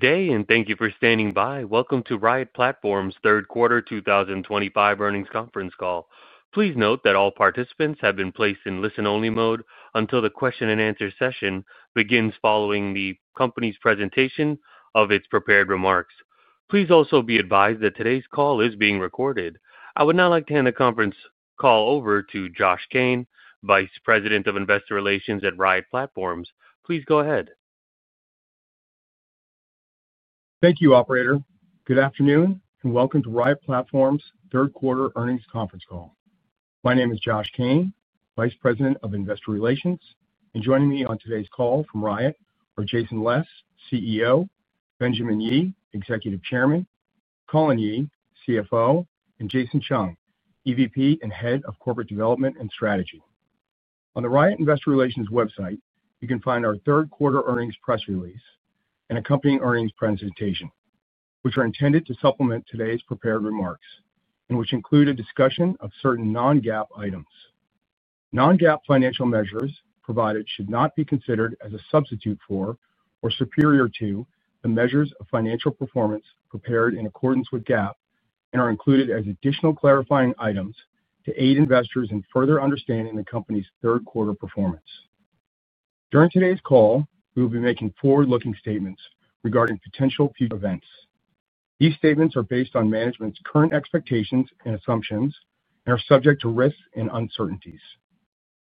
Good day, and thank you for standing by. Welcome to Riot Platforms' third quarter 2025 earnings conference call. Please note that all participants have been placed in listen-only mode until the question-and-answer session begins following the company's presentation of its prepared remarks. Please also be advised that today's call is being recorded. I would now like to hand the conference call over to Josh Kane, Vice President of Investor Relations at Riot Platforms. Please go ahead. Thank you, Operator. Good afternoon, and welcome to Riot Platforms' third quarter earnings conference call. My name is Josh Kane, Vice President of Investor Relations, and joining me on today's call from Riot are Jason Les, CEO, Benjamin Yi, Executive Chairman, Colin Yee, CFO, and Jason Chung, EVP and Head of Corporate Development and Strategy. On the Riot Investor Relations website, you can find our third quarter earnings press release and accompanying earnings presentation, which are intended to supplement today's prepared remarks and which include a discussion of certain non-GAAP items. Non-GAAP financial measures provided should not be considered as a substitute for or superior to the measures of financial performance prepared in accordance with GAAP and are included as additional clarifying items to aid investors in further understanding the company's third quarter performance. During today's call, we will be making forward-looking statements regarding potential future events. These statements are based on management's current expectations and assumptions and are subject to risks and uncertainties.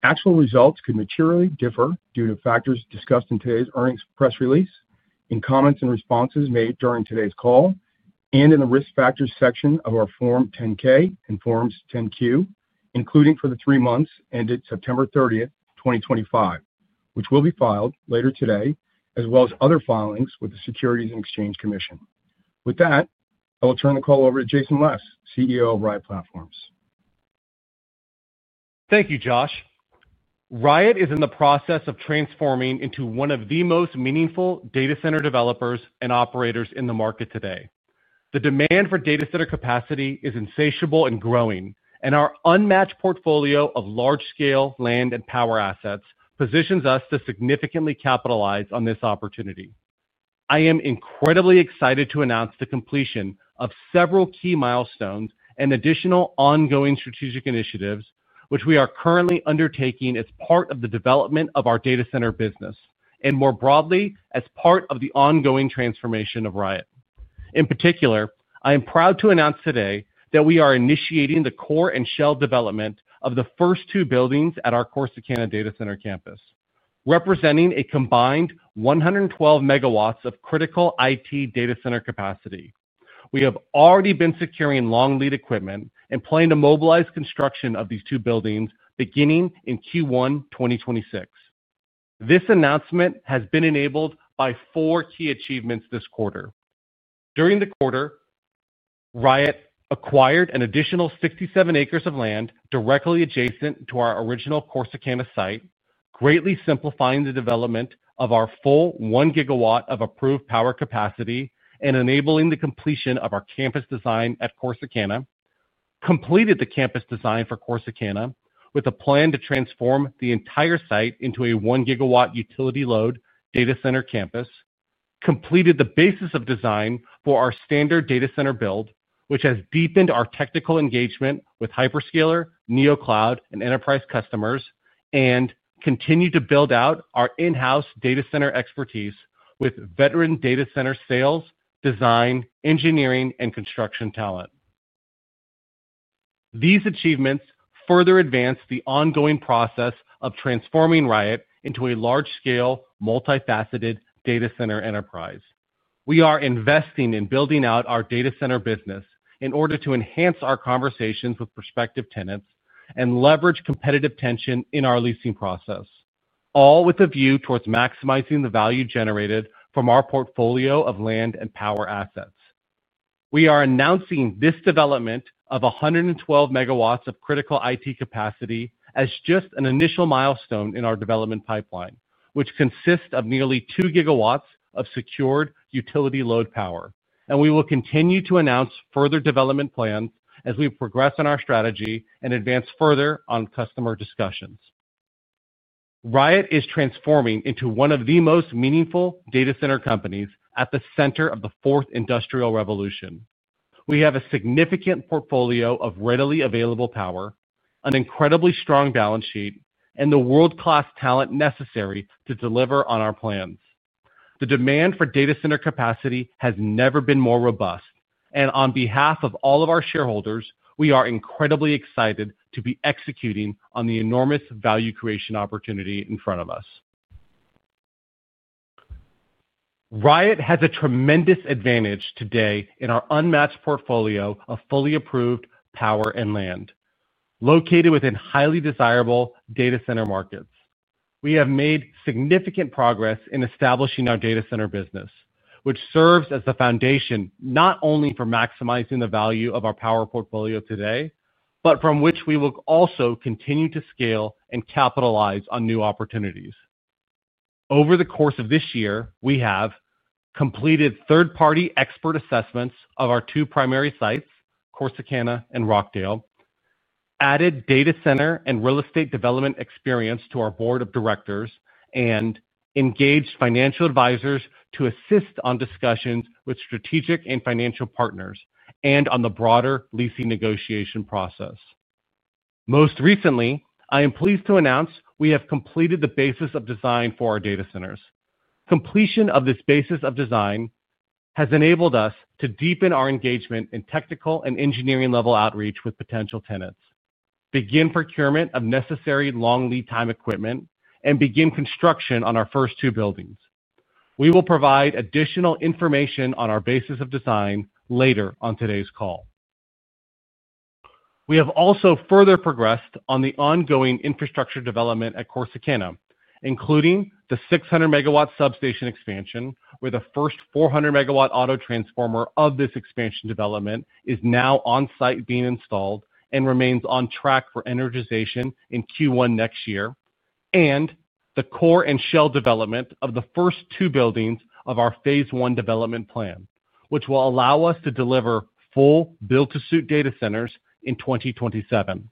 Actual results could materially differ due to factors discussed in today's earnings press release, in comments and responses made during today's call, and in the risk factors section of our Form 10-K and Forms 10-Q, including for the three months ended September 30th, 2025, which will be filed later today, as well as other filings with the Securities and Exchange Commission. With that, I will turn the call over to Jason Les, CEO of Riot Platforms. Thank you, Josh. Riot is in the process of transforming into one of the most meaningful data center developers and operators in the market today. The demand for data center capacity is insatiable and growing, and our unmatched portfolio of large-scale land and power assets positions us to significantly capitalize on this opportunity. I am incredibly excited to announce the completion of several key milestones and additional ongoing strategic initiatives, which we are currently undertaking as part of the development of our data center business and, more broadly, as part of the ongoing transformation of Riot. In particular, I am proud to announce today that we are initiating the core and shell development of the first two buildings at our Corsicana data center campus, representing a combined 112 MW of critical IT data center capacity. We have already been securing long lead equipment and planning to mobilize construction of these two buildings beginning in Q1 2026. This announcement has been enabled by four key achievements this quarter. During the quarter, Riot acquired an additional 67 acres of land directly adjacent to our original Corsicana site, greatly simplifying the development of our full 1 GW of approved power capacity and enabling the completion of our campus design at Corsicana, completed the campus design for Corsicana with a plan to transform the entire site into a 1 GW utility-load data center campus, completed the basis of design for our standard data center build, which has deepened our technical engagement with Hyperscaler, Neocloud, and Enterprise Customers, and continued to build out our in-house data center expertise with veteran data center sales, design, engineering, and construction talent. These achievements further advance the ongoing process of transforming Riot into a large-scale, multifaceted data center enterprise. We are investing in building out our data center business in order to enhance our conversations with prospective tenants and leverage competitive tension in our leasing process, all with a view towards maximizing the value generated from our portfolio of land and power assets. We are announcing this development of 112 MW of critical IT capacity as just an initial milestone in our development pipeline, which consists of nearly 2 GW of secured utility-load power, and we will continue to announce further development plans as we progress on our strategy and advance further on customer discussions. Riot is transforming into one of the most meaningful data center companies at the center of the fourth industrial revolution. We have a significant portfolio of readily available power, an incredibly strong balance sheet, and the world-class talent necessary to deliver on our plans. The demand for data center capacity has never been more robust, and on behalf of all of our shareholders, we are incredibly excited to be executing on the enormous value creation opportunity in front of us. Riot has a tremendous advantage today in our unmatched portfolio of fully approved power and land. Located within highly desirable data center markets, we have made significant progress in establishing our data center business, which serves as the foundation not only for maximizing the value of our power portfolio today, but from which we will also continue to scale and capitalize on new opportunities. Over the course of this year, we have completed third-party expert assessments of our two primary sites, Corsicana and Rockdale, added data center and real estate development experience to our Board of Directors, and engaged financial advisors to assist on discussions with strategic and financial partners and on the broader leasing negotiation process. Most recently, I am pleased to announce we have completed the basis of design for our data centers. Completion of this basis of design has enabled us to deepen our engagement in technical and engineering-level outreach with potential tenants, begin procurement of necessary long lead-time equipment, and begin construction on our first two buildings. We will provide additional information on our basis of design later on today's call. We have also further progressed on the ongoing infrastructure development at Corsicana, including the 600 MW substation expansion, where the first 400 MW auto transformer of this expansion development is now on-site being installed and remains on track for energization in Q1 next year, and the core and shell development of the first two buildings of our phase one development plan, which will allow us to deliver full build-to-suit data centers in 2027.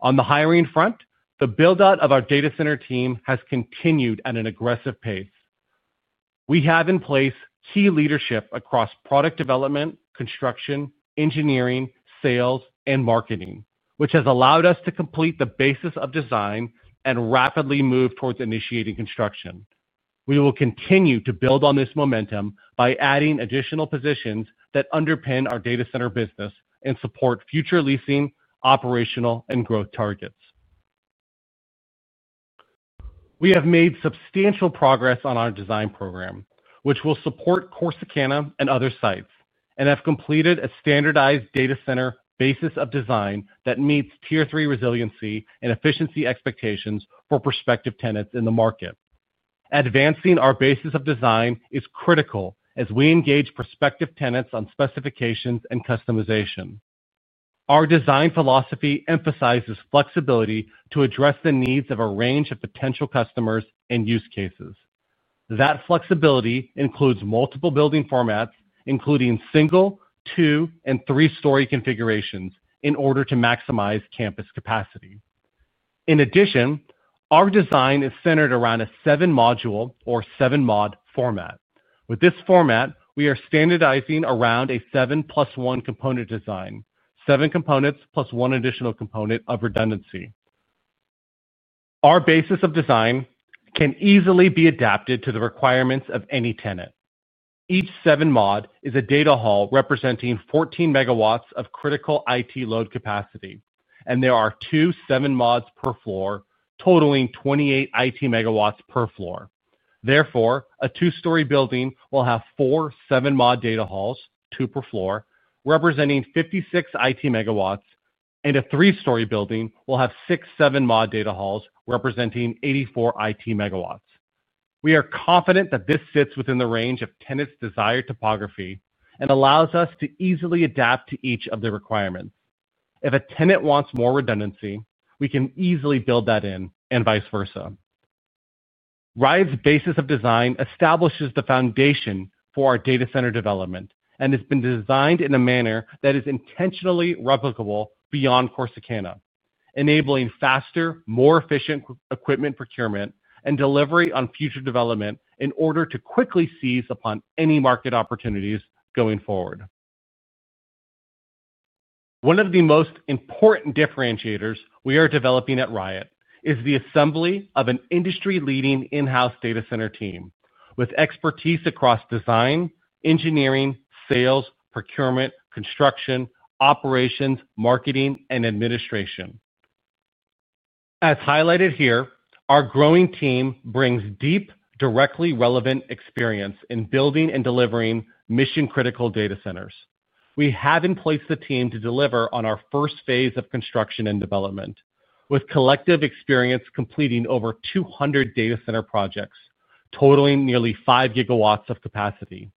On the hiring front, the build-out of our data center team has continued at an aggressive pace. We have in place key leadership across product development, construction, engineering, sales, and marketing, which has allowed us to complete the basis of design and rapidly move towards initiating construction. We will continue to build on this momentum by adding additional positions that underpin our data center business and support future leasing, operational, and growth targets. We have made substantial progress on our design program, which will support Corsicana and other sites, and have completed a standardized data center basis of design that meets Tier 3 resiliency and efficiency expectations for prospective tenants in the market. Advancing our basis of design is critical as we engage prospective tenants on specifications and customization. Our design philosophy emphasizes flexibility to address the needs of a range of potential customers and use cases. That flexibility includes multiple building formats, including single, two, and three-story configurations, in order to maximize campus capacity. In addition, our design is centered around a seven-module or seven-mod format. With this format, we are standardizing around a seven-plus-one component design, seven components plus one additional component of redundancy. Our basis of design can easily be adapted to the requirements of any tenant. Each seven-mod is a data hall representing 14 MW of critical IT load capacity, and there are two seven-mods per floor totaling 28 IT MW per floor. Therefore, a two-story building will have four seven-mod data halls, two per floor, representing 56 IT MW, and a three-story building will have six seven-mod data halls representing 84 IT MW. We are confident that this sits within the range of tenants' desired topography and allows us to easily adapt to each of the requirements. If a tenant wants more redundancy, we can easily build that in and vice versa. Riot's basis of design establishes the foundation for our data center development and has been designed in a manner that is intentionally replicable beyond Corsicana, enabling faster, more efficient equipment procurement and delivery on future development in order to quickly seize upon any market opportunities going forward. One of the most important differentiators we are developing at Riot is the assembly of an industry-leading in-house data center team with expertise across design, engineering, sales, procurement, construction, operations, marketing, and administration. As highlighted here, our growing team brings deep, directly relevant experience in building and delivering mission-critical data centers. We have in place the team to deliver on our first phase of construction and development, with collective experience completing over 200 data center projects totaling nearly 5 GW of capacity.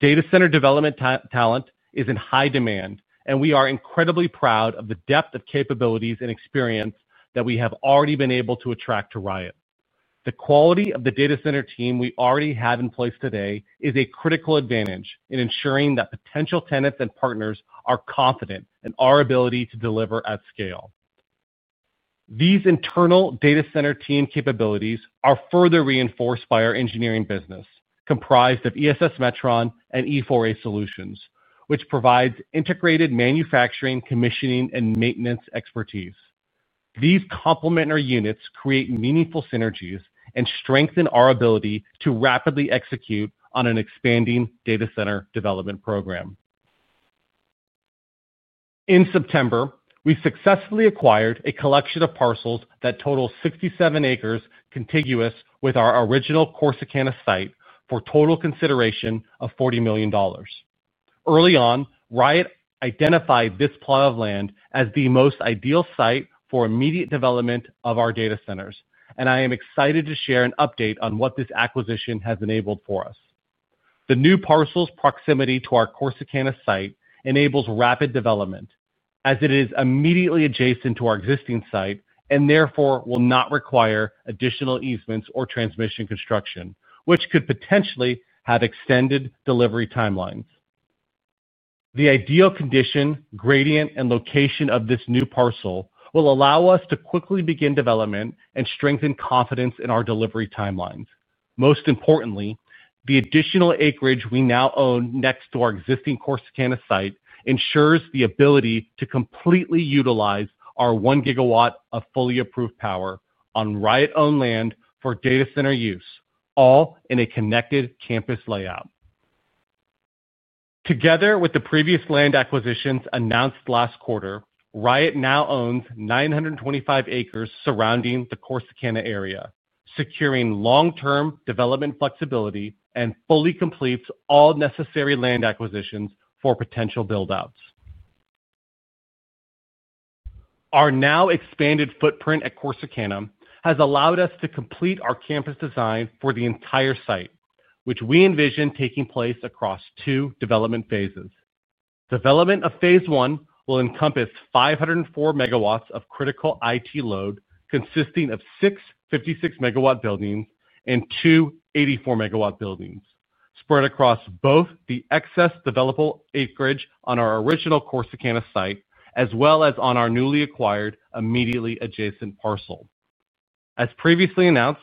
Data center development talent is in high demand, and we are incredibly proud of the depth of capabilities and experience that we have already been able to attract to Riot. The quality of the data center team we already have in place today is a critical advantage in ensuring that potential tenants and partners are confident in our ability to deliver at scale. These internal data center team capabilities are further reinforced by our engineering business, comprised of ESS Metron and E4A Solutions, which provides integrated manufacturing, commissioning, and maintenance expertise. These complementary units create meaningful synergies and strengthen our ability to rapidly execute on an expanding data center development program. In September, we successfully acquired a collection of parcels that total 67 acres contiguous with our original Corsicana site for total consideration of $40 million. Early on, Riot identified this plot of land as the most ideal site for immediate development of our data centers, and I am excited to share an update on what this acquisition has enabled for us. The new parcels' proximity to our Corsicana site enables rapid development as it is immediately adjacent to our existing site and therefore will not require additional easements or transmission construction, which could potentially have extended delivery timelines. The ideal condition, gradient, and location of this new parcel will allow us to quickly begin development and strengthen confidence in our delivery timelines. Most importantly, the additional acreage we now own next to our existing Corsicana site ensures the ability to completely utilize our 1 GW of fully approved power on Riot-owned land for data center use, all in a connected campus layout. Together with the previous land acquisitions announced last quarter, Riot now owns 925 acres surrounding the Corsicana area, securing long-term development flexibility and fully completes all necessary land acquisitions for potential build-outs. Our now expanded footprint at Corsicana has allowed us to complete our campus design for the entire site, which we envision taking place across two development phases. Development of phase one will encompass 504 MW of critical IT load consisting of six 56 MW buildings and two 84 MW buildings, spread across both the excess developable acreage on our original Corsicana site as well as on our newly acquired immediately adjacent parcel. As previously announced,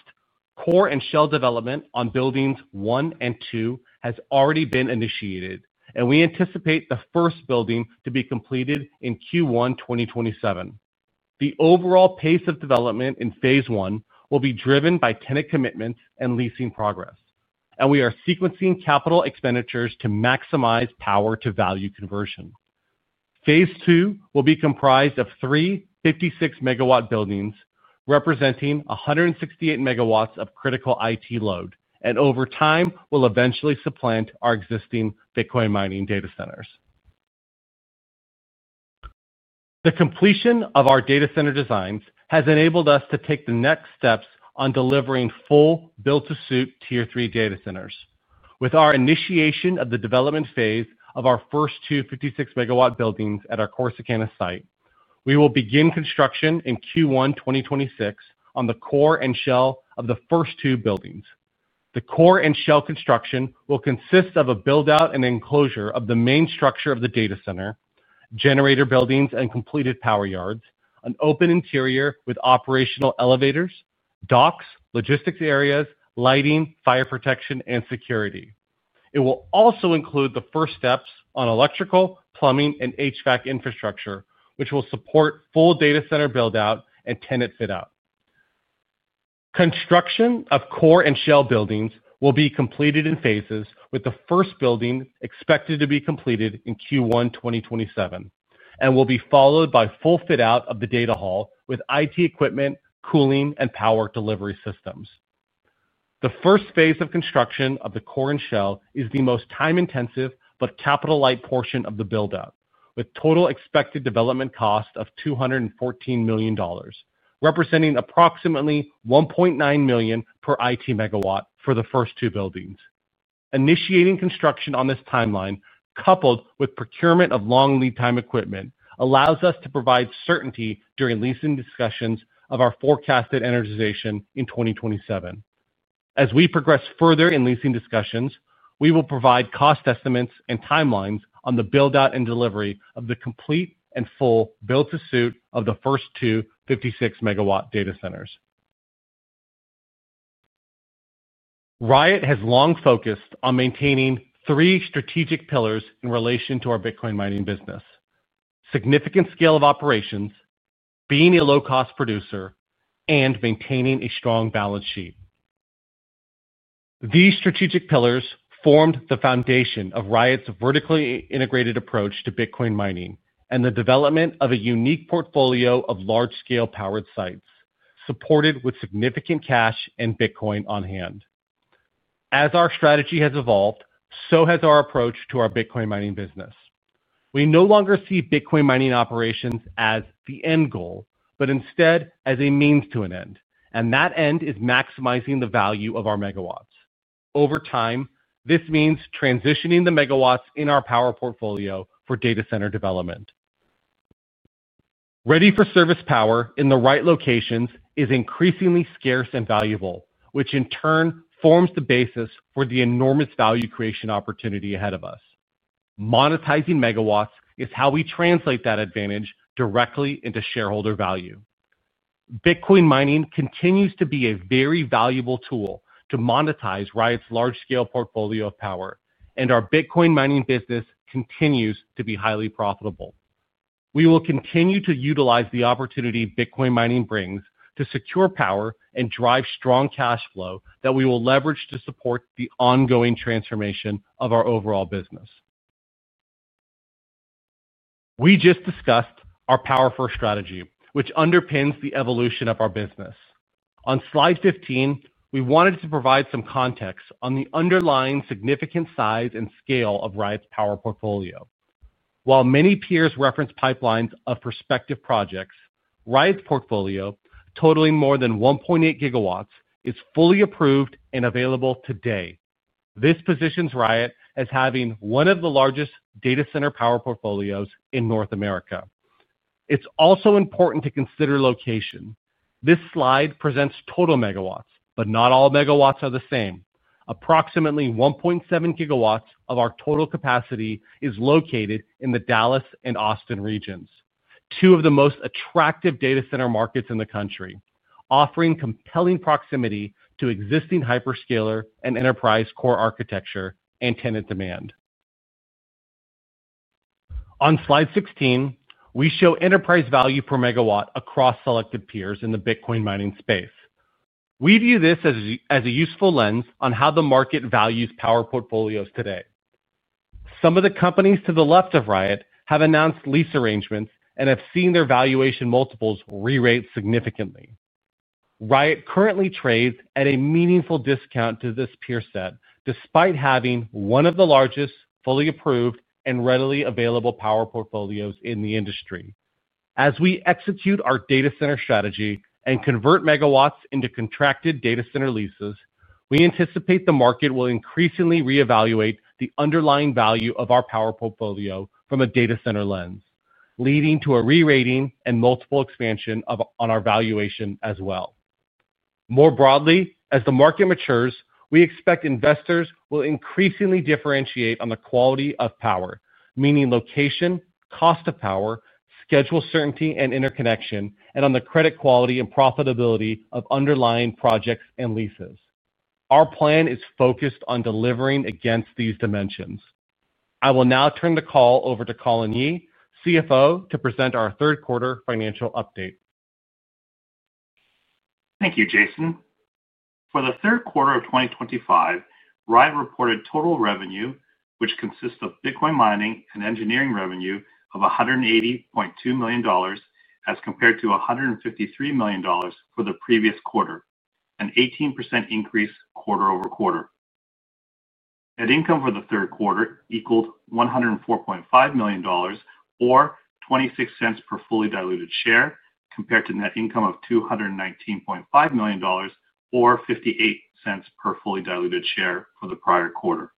core and shell development on buildings one and two has already been initiated, and we anticipate the first building to be completed in Q1 2027. The overall pace of development in phase one will be driven by tenant commitments and leasing progress, and we are sequencing capital expenditures to maximize power-to-value conversion. Phase two will be comprised of three 56 MW buildings representing 168 MW of critical IT load and over time will eventually supplant our existing Bitcoin mining data centers. The completion of our data center designs has enabled us to take the next steps on delivering full build-to-suit Tier 3 data centers. With our initiation of the development phase of our first two 56 MW buildings at our Corsicana site, we will begin construction in Q1 2026 on the core and shell of the first two buildings. The core and shell construction will consist of a build-out and enclosure of the main structure of the data center, generator buildings, and completed power yards, an open interior with operational elevators, docks, logistics areas, lighting, fire protection, and security. It will also include the first steps on electrical, plumbing, and HVAC infrastructure, which will support full data center build-out and tenant fit-out. Construction of core and shell buildings will be completed in phases, with the first building expected to be completed in Q1 2027 and will be followed by full fit-out of the data hall with IT equipment, cooling, and power delivery systems. The first phase of construction of the core and shell is the most time-intensive but capital-light portion of the build-out, with total expected development cost of $214 million, representing approximately $1.9 million per IT MW for the first two buildings. Initiating construction on this timeline, coupled with procurement of long lead-time equipment, allows us to provide certainty during leasing discussions of our forecasted energization in 2027. As we progress further in leasing discussions, we will provide cost estimates and timelines on the build-out and delivery of the complete and full build-to-suit of the first two 56 MW data centers. Riot has long focused on maintaining three strategic pillars in relation to our Bitcoin mining business: significant scale of operations, being a low-cost producer, and maintaining a strong balance sheet. These strategic pillars formed the foundation of Riot's vertically integrated approach to Bitcoin mining and the development of a unique portfolio of large-scale powered sites supported with significant cash and Bitcoin on hand. As our strategy has evolved, so has our approach to our Bitcoin mining business. We no longer see Bitcoin mining operations as the end goal, but instead as a means to an end, and that end is maximizing the value of our megawatts. Over time, this means transitioning the megawatts in our power portfolio for data center development. Ready-for-service power in the right locations is increasingly scarce and valuable, which in turn forms the basis for the enormous value creation opportunity ahead of us. Monetizing megawatts is how we translate that advantage directly into shareholder value. Bitcoin mining continues to be a very valuable tool to monetize Riot's large-scale portfolio of power, and our Bitcoin mining business continues to be highly profitable. We will continue to utilize the opportunity Bitcoin mining brings to secure power and drive strong cash flow that we will leverage to support the ongoing transformation of our overall business. We just discussed our Power First strategy, which underpins the evolution of our business. On slide 15, we wanted to provide some context on the underlying significant size and scale of Riot's power portfolio. While many peers reference pipelines of prospective projects, Riot's portfolio, totaling more than 1.8 GW, is fully approved and available today. These positions Riot as having one of the largest data center power portfolios in North America. It's also important to consider location. This slide presents total megawatt, but not all megawatts are the same. Approximately 1.7 GW of our total capacity is located in the Dallas and Austin regions, two of the most attractive data center markets in the country, offering compelling proximity to existing Hyperscaler and enterprise core architecture and tenant demand. On slide 16, we show enterprise value per megawatt across selected peers in the Bitcoin mining space. We view this as a useful lens on how the market values power portfolios today. Some of the companies to the left of Riot have announced lease arrangements and have seen their valuation multiples re-rated significantly. Riot currently trades at a meaningful discount to this peer set, despite having one of the largest, fully approved, and readily available power portfolios in the industry. As we execute our data center strategy and convert megawatt into contracted data center leases, we anticipate the market will increasingly re-evaluate the underlying value of our power portfolio from a data center lens, leading to a re-rating and multiple expansion on our valuation as well. More broadly, as the market matures, we expect investors will increasingly differentiate on the quality of power, meaning location, cost of power, schedule certainty and interconnection, and on the credit quality and profitability of underlying projects and leases. Our plan is focused on delivering against these dimensions. I will now turn the call over to Colin Yee, CFO, to present our third-quarter financial update. Thank you, Jason. For the third quarter of 2025, Riot reported total revenue, which consists of Bitcoin mining and engineering revenue, of $180.2 million as compared to $153 million for the previous quarter, an 18% increase quarter-over-quarter. Net income for the third quarter equaled $104.5 million, or $0.26 per fully diluted share, compared to net income of $219.5 million, or $0.58 per fully diluted share for the prior quarter.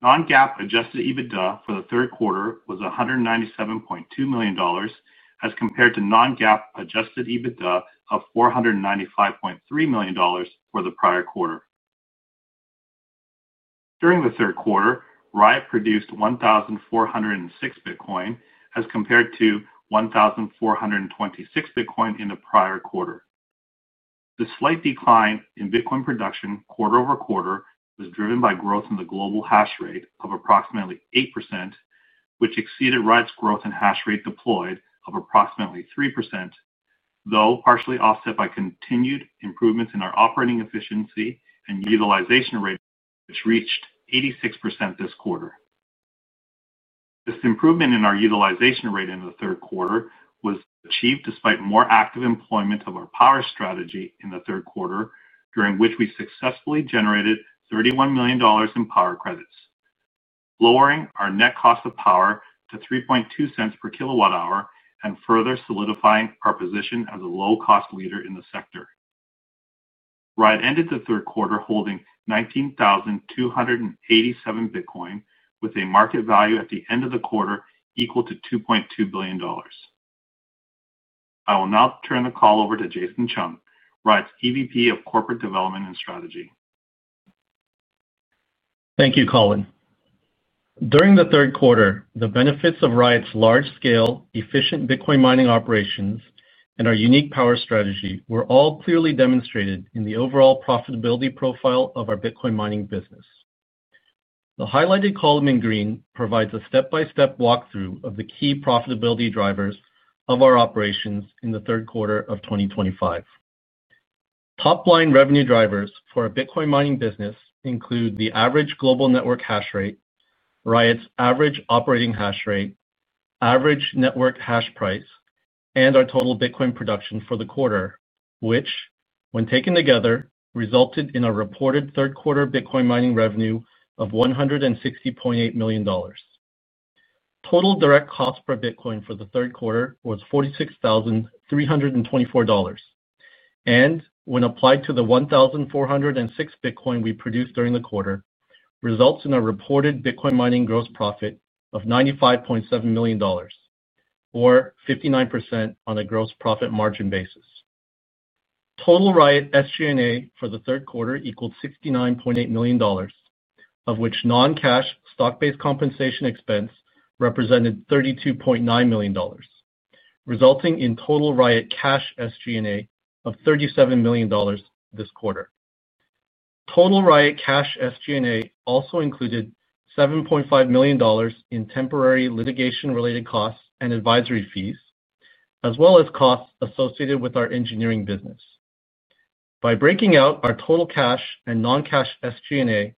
Non-GAAP adjusted EBITDA for the third quarter was $197.2 million as compared to non-GAAP adjusted EBITDA of $495.3 million for the prior quarter. During the third quarter, Riot produced 1,406 Bitcoin as compared to 1,426 Bitcoin in the prior quarter. The slight decline in Bitcoin production quarter over quarter was driven by growth in the global hash rate of approximately 8%, which exceeded Riot's growth in hash rate deployed of approximately 3%. Though partially offset by continued improvements in our operating efficiency and utilization rate, which reached 86% this quarter. This improvement in our utilization rate in the third quarter was achieved despite more active employment of our power strategy in the third quarter, during which we successfully generated $31 million in power credits, lowering our net cost of power to $0.32 per kilowatt-hour and further solidifying our position as a low-cost leader in the sector. Riot ended the third quarter holding 19,287 Bitcoin, with a market value at the end of the quarter equal to $2.2 billion. I will now turn the call over to Jason Chung, Riot's EVP of Corporate Development and Strategy. Thank you, Colin. During the third quarter, the benefits of Riot's large-scale, efficient Bitcoin mining operations and our unique power strategy were all clearly demonstrated in the overall profitability profile of our Bitcoin mining business. The highlighted column in green provides a step-by-step walkthrough of the key profitability drivers of our operations in the third quarter of 2025. Top-line revenue drivers for our Bitcoin mining business include the average global network hash rate, Riot's average operating hash rate, average network hash price, and our total Bitcoin production for the quarter, which, when taken together, resulted in a reported third-quarter Bitcoin mining revenue of $160.8 million. Total direct cost per Bitcoin for the third quarter was $46,324, and when applied to the 1,406 Bitcoin we produced during the quarter, results in a reported Bitcoin mining gross profit of $95.7 million, or 59% on a gross profit margin basis. Total Riot SG&A for the third quarter equaled $69.8 million, of which non-cash stock-based compensation expense represented $32.9 million, resulting in total Riot cash SG&A of $37 million this quarter. Total Riot cash SG&A also included $7.5 million in temporary litigation-related costs and advisory fees, as well as costs associated with our engineering business. By breaking out our total cash and non-cash SG&A,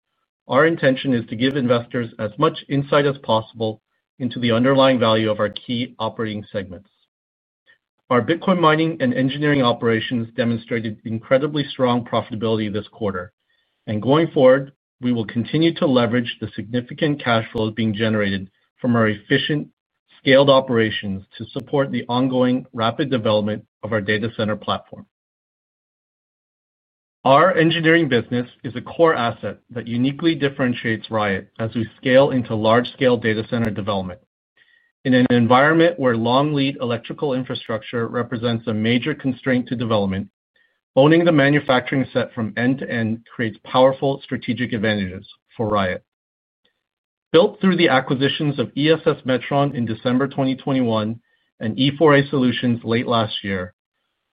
our intention is to give investors as much insight as possible into the underlying value of our key operating segments. Our Bitcoin mining and engineering operations demonstrated incredibly strong profitability this quarter, and going forward, we will continue to leverage the significant cash flows being generated from our efficient, scaled operations to support the ongoing rapid development of our data center platform. Our engineering business is a core asset that uniquely differentiates Riot as we scale into large-scale data center development. In an environment where long lead electrical infrastructure represents a major constraint to development, owning the manufacturing set from end to end creates powerful strategic advantages for Riot. Built through the acquisitions of ESS Metron in December 2021 and E4A Solutions late last year,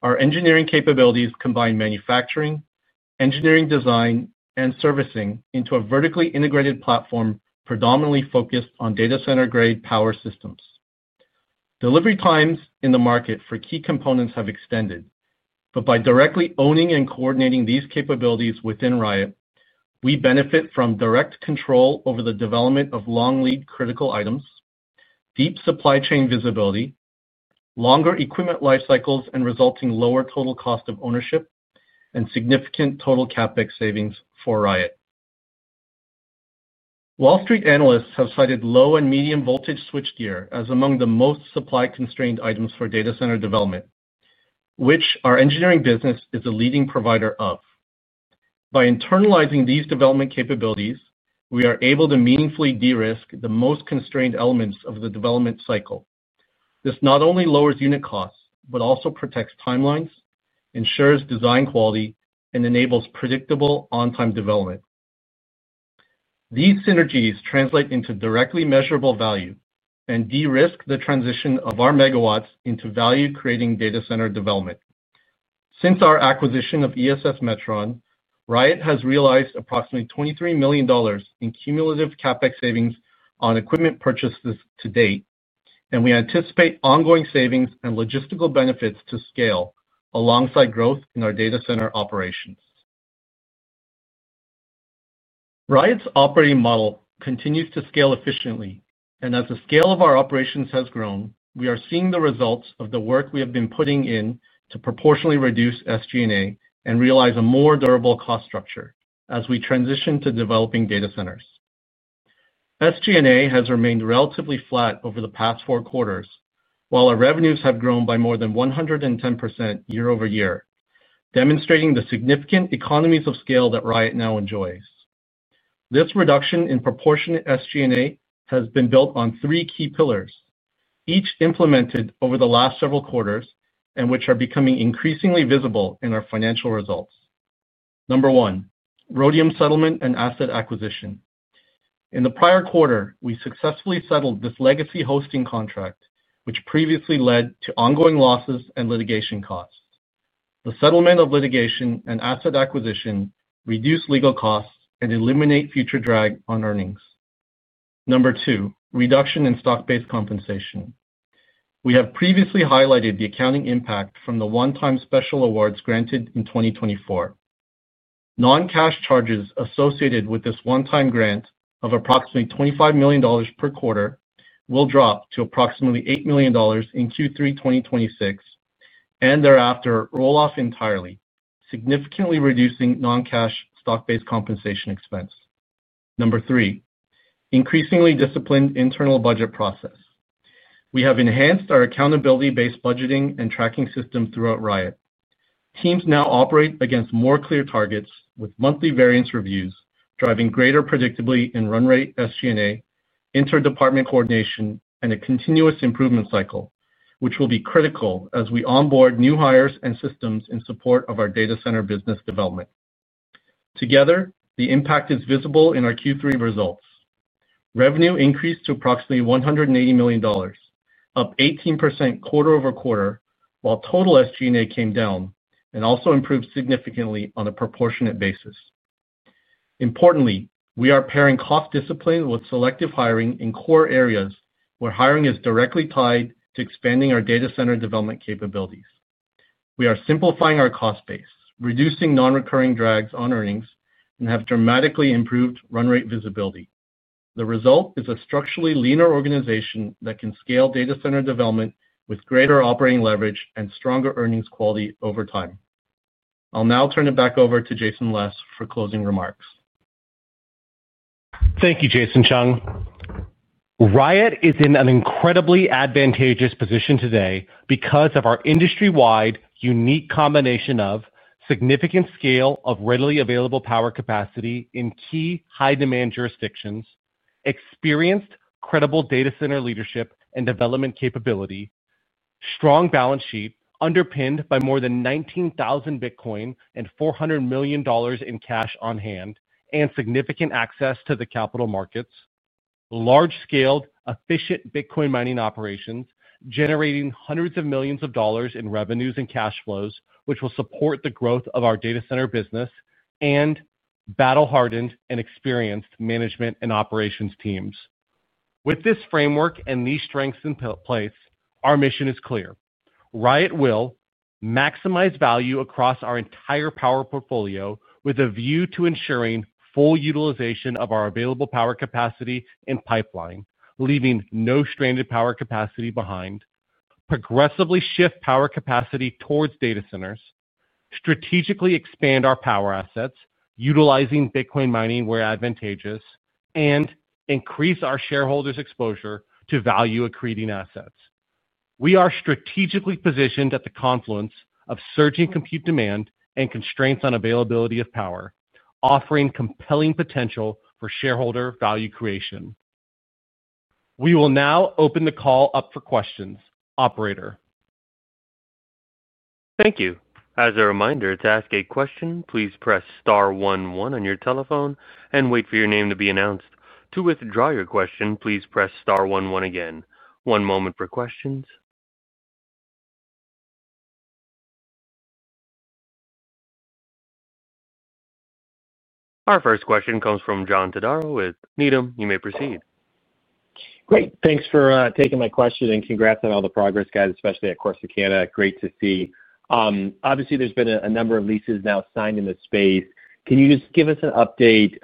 our engineering capabilities combine manufacturing, engineering design, and servicing into a vertically integrated platform predominantly focused on data center-grade power systems. Delivery times in the market for key components have extended, but by directly owning and coordinating these capabilities within Riot, we benefit from direct control over the development of long lead critical items, deep supply chain visibility, longer equipment life cycles, and resulting lower total cost of ownership, and significant total CapEx savings for Riot. Wall Street analysts have cited low and medium voltage switchgear as among the most supply-constrained items for data center development, which our engineering business is a leading provider of. By internalizing these development capabilities, we are able to meaningfully de-risk the most constrained elements of the development cycle. This not only lowers unit costs, but also protects timelines, ensures design quality, and enables predictable on-time development. These synergies translate into directly measurable value and de-risk the transition of our megawatts into value-creating data center development. Since our acquisition of ESS Metron, Riot has realized approximately $23 million in cumulative CapEx savings on equipment purchases to date, and we anticipate ongoing savings and logistical benefits to scale alongside growth in our data center operations. Riot's operating model continues to scale efficiently, and as the scale of our operations has grown, we are seeing the results of the work we have been putting in to proportionally reduce SG&A and realize a more durable cost structure as we transition to developing data centers. SG&A has remained relatively flat over the past four quarters, while our revenues have grown by more than 110% year-over-year, demonstrating the significant economies of scale that Riot now enjoys. This reduction in proportionate SG&A has been built on three key pillars, each implemented over the last several quarters and which are becoming increasingly visible in our financial results. Number one, Rhodium settlement and asset acquisition. In the prior quarter, we successfully settled this legacy hosting contract, which previously led to ongoing losses and litigation costs. The settlement of litigation and asset acquisition reduced legal costs and eliminated future drag on earnings. Number two, reduction in stock-based compensation. We have previously highlighted the accounting impact from the one-time special awards granted in 2024. Non-cash charges associated with this one-time grant of approximately $25 million per quarter will drop to approximately $8 million in Q3 2026 and thereafter roll off entirely, significantly reducing non-cash stock-based compensation expense. Number three, increasingly disciplined internal budget process. We have enhanced our accountability-based budgeting and tracking system throughout Riot. Teams now operate against more clear targets with monthly variance reviews, driving greater predictability in run rate SG&A, inter-department coordination, and a continuous improvement cycle, which will be critical as we onboard new hires and systems in support of our data center business development. Together, the impact is visible in our Q3 results. Revenue increased to approximately $180 million, up 18% quarter-over-quarter, while total SG&A came down and also improved significantly on a proportionate basis. Importantly, we are pairing cost discipline with selective hiring in core areas where hiring is directly tied to expanding our data center development capabilities. We are simplifying our cost base, reducing non-recurring drags on earnings, and have dramatically improved run rate visibility. The result is a structurally leaner organization that can scale data center development with greater operating leverage and stronger earnings quality over time. I'll now turn it back over to Jason Les for closing remarks. Thank you, Jason Chung. Riot is in an incredibly advantageous position today because of our industry-wide unique combination of significant scale of readily available power capacity in key high-demand jurisdictions, experienced credible data center leadership and development capability, strong balance sheet underpinned by more than 19,000 Bitcoin and $400 million in cash on hand, and significant access to the capital markets, large-scale, efficient Bitcoin mining operations generating hundreds of millions of dollars in revenues and cash flows, which will support the growth of our data center business, and battle-hardened and experienced management and operations teams. With this framework and these strengths in place, our mission is clear. Riot will maximize value across our entire power portfolio with a view to ensuring full utilization of our available power capacity in pipeline, leaving no stranded power capacity behind, progressively shift power capacity towards data centers, strategically expand our power assets utilizing Bitcoin mining where advantageous, and increase our shareholders' exposure to value-accreting assets. We are strategically positioned at the confluence of surging compute demand and constraints on availability of power, offering compelling potential for shareholder value creation. We will now open the call up for questions, operator. Thank you. As a reminder, to ask a question, please press star one one on your telephone and wait for your name to be announced. To withdraw your question, please press star one one again. One moment for questions. Our first question comes from John Todaro, Needham, you may proceed. Great. Thanks for taking my question and congrats on all the progress, guys, especially at Corsicana. Great to see. Obviously, there's been a number of leases now signed in this space. Can you just give us an update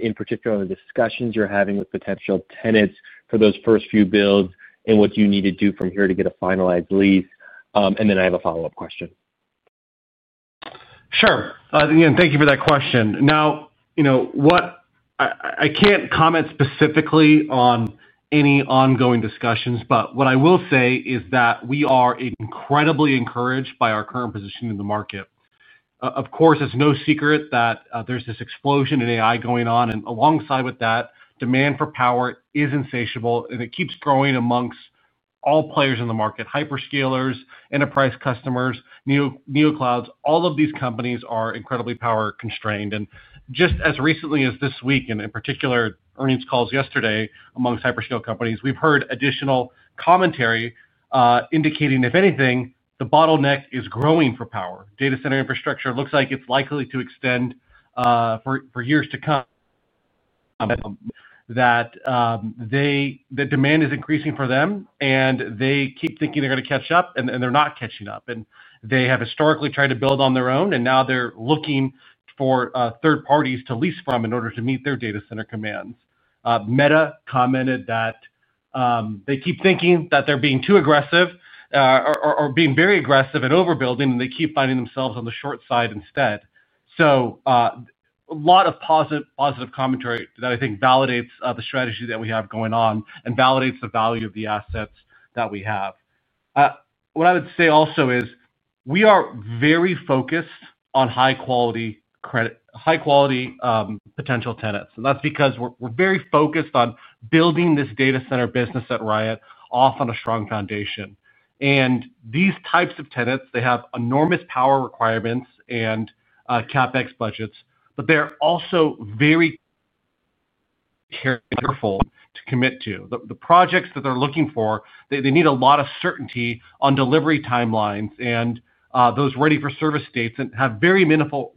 in particular on the discussions you're having with potential tenants for those first few builds and what you need to do from here to get a finalized lease? And then I have a follow-up question. Sure. Again, thank you for that question. I can't comment specifically on any ongoing discussions, but what I will say is that we are incredibly encouraged by our current position in the market. Of course, it's no secret that there's this explosion in AI going on, and alongside with that, demand for power is insatiable, and it keeps growing amongst all players in the market: Hyperscalers, Enterprise Customers, Neoclouds. All of these companies are incredibly power-constrained. Just as recently as this week, in particular earnings calls yesterday amongst Hyperscale companies, we've heard additional commentary indicating, if anything, the bottleneck is growing for power. Data center infrastructure looks like it's likely to extend for years to come. Demand is increasing for them, and they keep thinking they're going to catch up, and they're not catching up. They have historically tried to build on their own, and now they're looking for third parties to lease from in order to meet their data center commands. Meta commented that they keep thinking that they're being too aggressive or being very aggressive and overbuilding, and they keep finding themselves on the short side instead. A lot of positive commentary that I think validates the strategy that we have going on and validates the value of the assets that we have. What I would say also is we are very focused on high-quality potential tenants. That's because we're very focused on building this data center business at Riot on a strong foundation. These types of tenants have enormous power requirements and CapEx budgets, but they're also very careful to commit to the projects that they're looking for. They need a lot of certainty on delivery timelines and those ready-for-service dates and have very minimal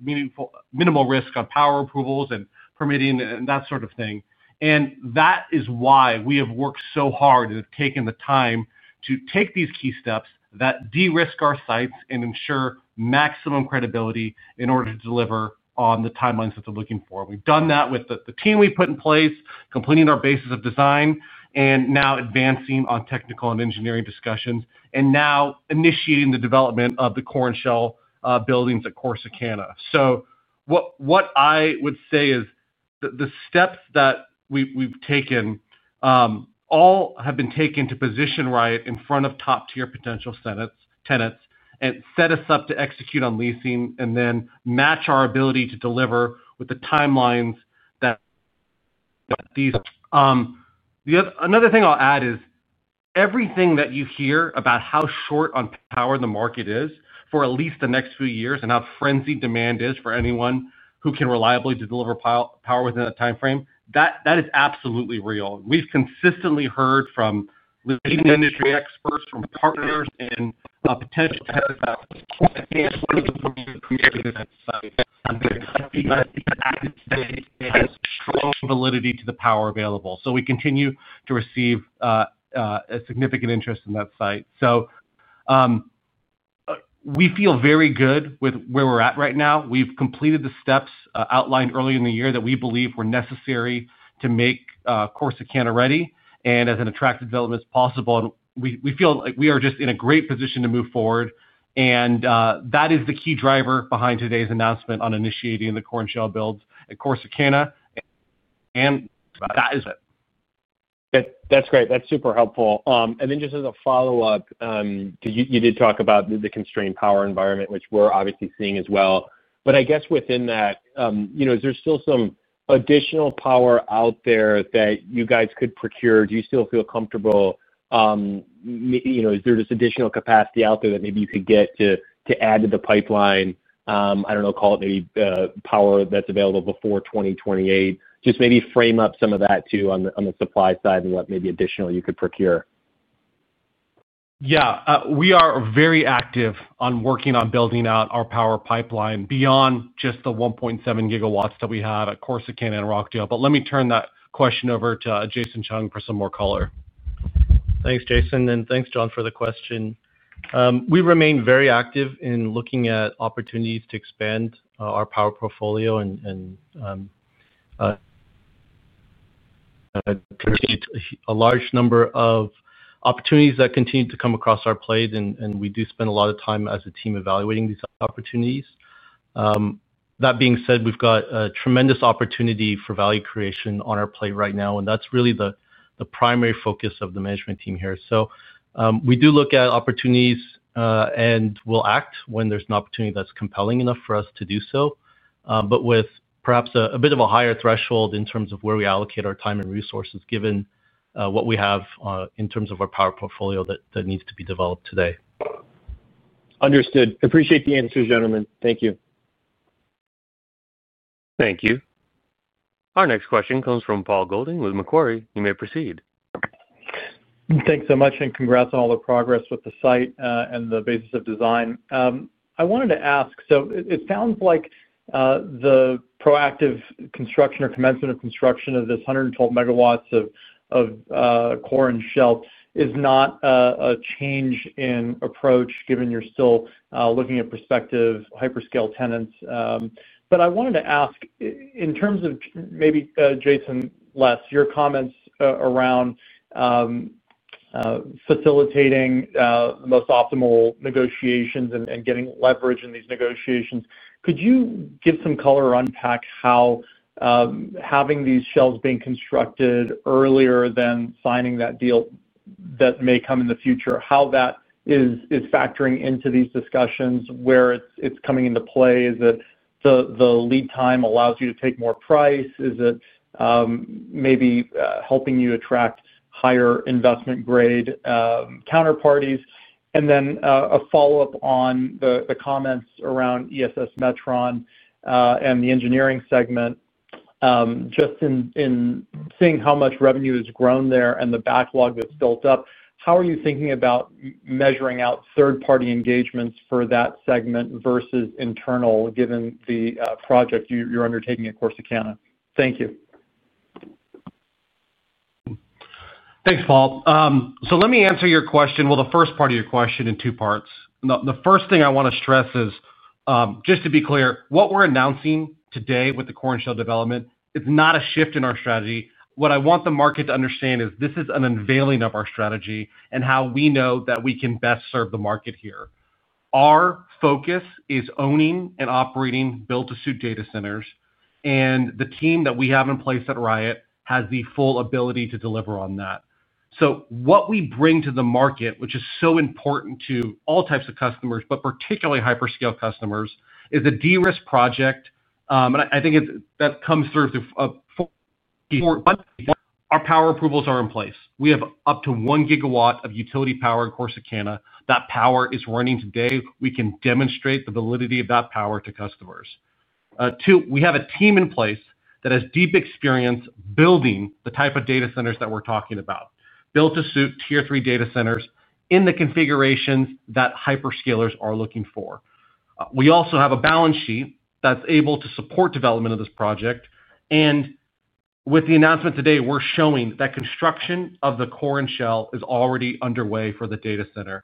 risk on power approvals and permitting and that sort of thing. That is why we have worked so hard and have taken the time to take these key steps that de-risk our sites and ensure maximum credibility in order to deliver on the timelines that they're looking for. We've done that with the team we put in place, completing our basis of design, and now advancing on technical and engineering discussions, and now initiating the development of the core and shell buildings at Corsicana. What I would say is the steps that we've taken all have been taken to position Riot in front of top-tier potential tenants and set us up to execute on leasing and then match our ability to deliver with the timelines that these. Another thing I'll add is everything that you hear about how short on power the market is for at least the next few years and how frenzied demand is for anyone who can reliably deliver power within that timeframe, that is absolutely real. We've consistently heard from leading industry experts, from partners, and potential tenants about. The case working from the commission has strong validity to the power available. We continue to receive significant interest in that site. We feel very good with where we're at right now. We've completed the steps outlined earlier in the year that we believe were necessary to make Corsicana ready and as an attractive development as possible. We feel like we are just in a great position to move forward. That is the key driver behind today's announcement on initiating the core and shell builds at Corsicana. That is it. That's great. That's super helpful. Just as a follow-up, you did talk about the constrained power environment, which we're obviously seeing as well. Within that, is there still some additional power out there that you guys could procure? Do you still feel comfortable? Is there just additional capacity out there that maybe you could get to add to the pipeline? I don't know, call it maybe power that's available before 2028. Just maybe frame up some of that too on the supply side and what maybe additional you could procure. Yeah. We are very active on working on building out our power pipeline beyond just the 1.7 GW that we have at Corsicana and Rockdale. Let me turn that question over to Jason Chung for some more color. Thanks, Jason. Thanks, John, for the question. We remain very active in looking at opportunities to expand our power portfolio. A large number of opportunities continue to come across our plate. We do spend a lot of time as a team evaluating these opportunities. That being said, we've got a tremendous opportunity for value creation on our plate right now, and that's really the primary focus of the management team here. We do look at opportunities and we'll act when there's an opportunity that's compelling enough for us to do so, but with perhaps a bit of a higher threshold in terms of where we allocate our time and resources given what we have in terms of our power portfolio that needs to be developed today. Understood. Appreciate the answers, gentlemen. Thank you. Thank you. Our next question comes from Paul Golding with Macquarie. You may proceed. Thanks so much and congrats on all the progress with the site and the basis of design. I wanted to ask, so it sounds like the proactive construction or commencement of construction of this 112 MW of core and shell is not a change in approach given you're still looking at prospective Hyperscale tenants. I wanted to ask, in terms of maybe, Jason Les, your comments around facilitating the most optimal negotiations and getting leverage in these negotiations, could you give some color on how having these shells being constructed earlier than signing that deal that may come in the future, how that is factoring into these discussions where it's coming into play? Is it the lead time allows you to take more price? Is it maybe helping you attract higher investment-grade counterparties? A follow-up on the comments around ESS Metron and the engineering segment. Just in seeing how much revenue has grown there and the backlog that's built up, how are you thinking about measuring out third-party engagements for that segment versus internal given the project you're undertaking at Corsicana? Thank you. Thanks, Paul. Let me answer your question. The first part of your question in two parts. The first thing I want to stress is, just to be clear, what we're announcing today with the core and shell development, it's not a shift in our strategy. What I want the market to understand is this is an unveiling of our strategy and how we know that we can best serve the market here. Our focus is owning and operating build-to-suit data centers, and the team that we have in place at Riot has the full ability to deliver on that. What we bring to the market, which is so important to all types of customers, but particularly Hyperscale customers, is a de-risk project. I think that comes through. Our power approvals are in place. We have up to 1 GW of utility power in Corsicana. That power is running today. We can demonstrate the validity of that power to customers. We have a team in place that has deep experience building the type of data centers that we're talking about, build-to-suit tier three data centers in the configurations that Hyperscalers are looking for. We also have a balance sheet that's able to support development of this project. With the announcement today, we're showing that construction of the core and shell is already underway for the data center.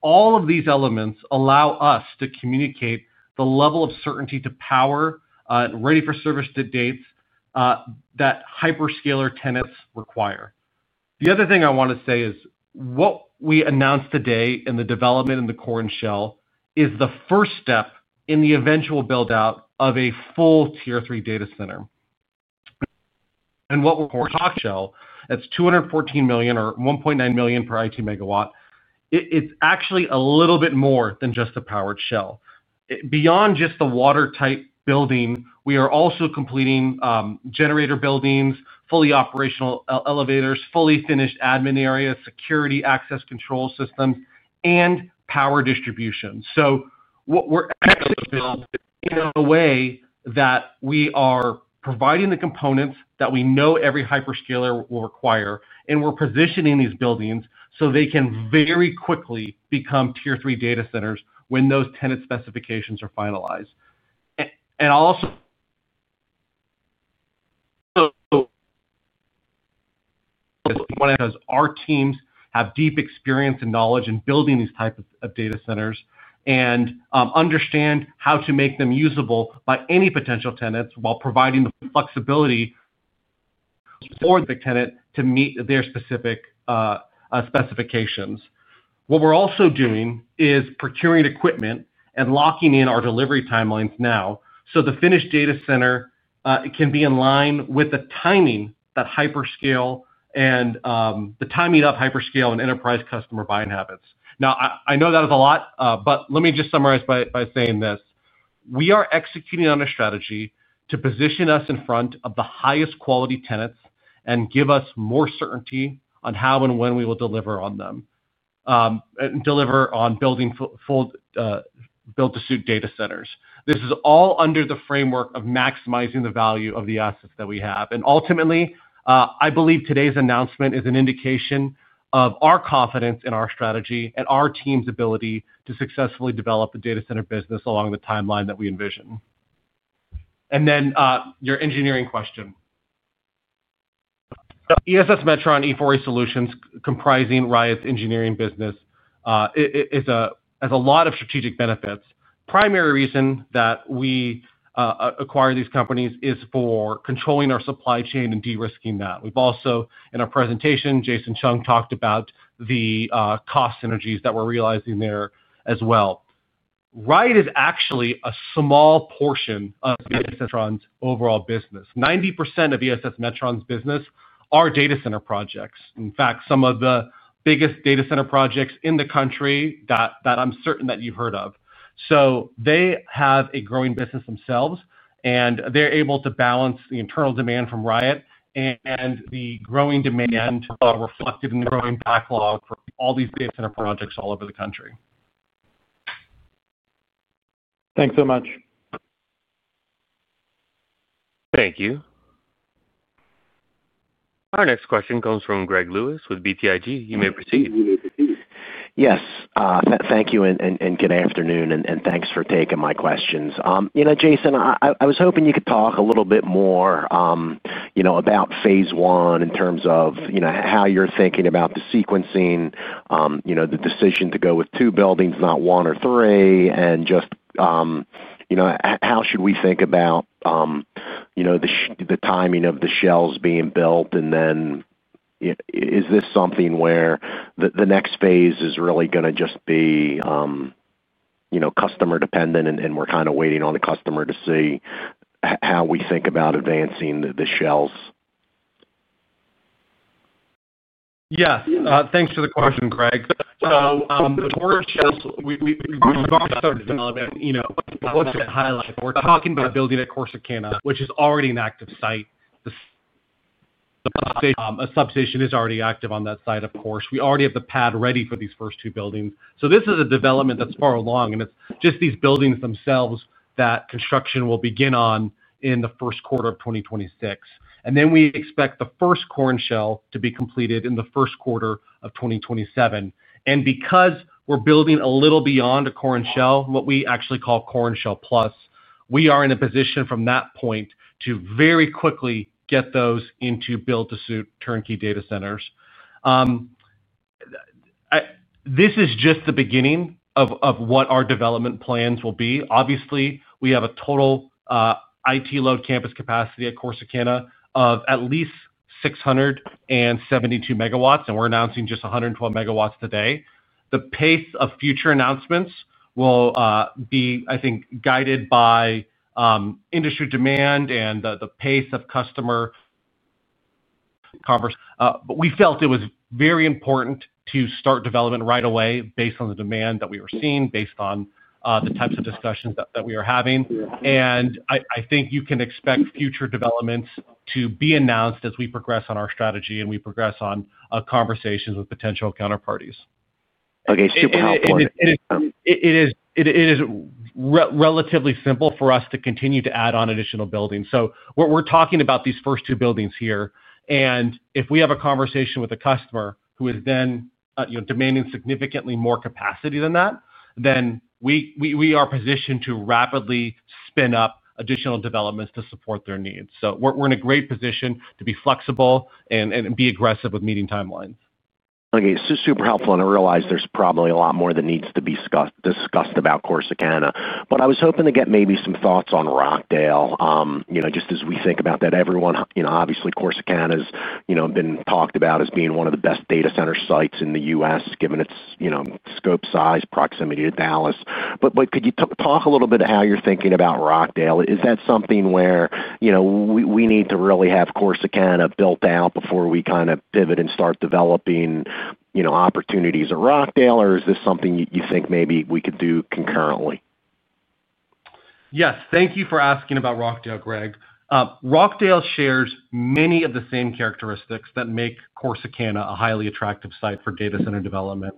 All of these elements allow us to communicate the level of certainty to power ready-for-service dates that Hyperscaler tenants require. The other thing I want to say is what we announced today in the development and the core and shell is the first step in the eventual build-out of a full tier three data center. What we're talking about is shell. That's $214 million or $1.9 million per IT megawatt. It's actually a little bit more than just a powered shell. Beyond just the watertight building, we are also completing generator buildings, fully operational elevators, fully finished admin areas, security access control systems, and power distribution. What we're actually building is in a way that we are providing the components that we know every Hyperscaler will require, and we're positioning these buildings so they can very quickly become tier three data centers when those tenant specifications are finalized. Because our teams have deep experience and knowledge in building these types of data centers and understand how to make them usable by any potential tenants while providing the flexibility for the tenant to meet their specific specifications. What we're also doing is procuring equipment and locking in our delivery timelines now so the finished data center can be in line with the timing of Hyperscale and Enterprise Customer buying habits. I know that is a lot, but let me just summarize by saying this. We are executing on a strategy to position us in front of the highest quality tenants and give us more certainty on how and when we will deliver on them and deliver on building full build-to-suit data centers. This is all under the framework of maximizing the value of the assets that we have. Ultimately, I believe today's announcement is an indication of our confidence in our strategy and our team's ability to successfully develop the data center business along the timeline that we envision. Your engineering question. ESS Metron and E4A Solutions, comprising Riot's engineering business, has a lot of strategic benefits. The primary reason that we acquire these companies is for controlling our supply chain and de-risking that. We've also, in our presentation, Jason Chung talked about the cost synergies that we're realizing there as well. Riot is actually a small portion of ESS Metron's overall business. 90% of ESS Metron's business are data center projects, in fact, some of the biggest data center projects in the country that I'm certain that you've heard of. They have a growing business themselves, and they're able to balance the internal demand from Riot and the growing demand reflected in the growing backlog for all these data center projects all over the country. Thanks so much. Thank you. Our next question comes from Greg Lewis with BTIG. You may proceed. Yes. Thank you and good afternoon, and thanks for taking my questions. Jason, I was hoping you could talk a little bit more about phase one in terms of how you're thinking about the sequencing, the decision to go with two buildings, not one or three, and just how should we think about the timing of the shells being built? Is this something where the next phase is really going to just be customer-dependent, and we're kind of waiting on the customer to see how we think about advancing the shells? Yeah. Thanks for the question, Greg. The core shells, we've already started developing. What's going to highlight, we're talking about building at Corsicana, which is already an active site. The substation is already active on that site, of course. We already have the pad ready for these first two buildings. This is a development that's far along, and it's just these buildings themselves that construction will begin on in the first quarter of 2026. We expect the first core and shell to be completed in the first quarter of 2027. Because we're building a little beyond a core and shell, what we actually call core and shell plus, we are in a position from that point to very quickly get those into build-to-suit turnkey data centers. This is just the beginning of what our development plans will be. Obviously, we have a total IT-load campus capacity at Corsicana of at least 672 MW, and we're announcing just 112 MW today. The pace of future announcements will be, I think, guided by industry demand and the pace of customer conversation. We felt it was very important to start development right away based on the demand that we were seeing, based on the types of discussions that we were having. I think you can expect future developments to be announced as we progress on our strategy and we progress on conversations with potential counterparties. Okay. Super helpful. It is relatively simple for us to continue to add on additional buildings. We're talking about these first two buildings here. If we have a conversation with a customer who is then demanding significantly more capacity than that, then we are positioned to rapidly spin up additional developments to support their needs. We're in a great position to be flexible and be aggressive with meeting timelines. Okay. Super helpful. I realize there's probably a lot more that needs to be discussed about Corsicana. I was hoping to get maybe some thoughts on Rockdale. As we think about that, everyone, obviously, Corsicana has been talked about as being one of the best data center sites in the U.S., given its scope, size, and proximity to Dallas. Could you talk a little bit about how you're thinking about Rockdale? Is that something where we need to really have Corsicana built out before we kind of pivot and start developing opportunities at Rockdale, or is this something you think maybe we could do concurrently? Yes. Thank you for asking about Rockdale, Greg. Rockdale shares many of the same characteristics that make Corsicana a highly attractive site for data center development.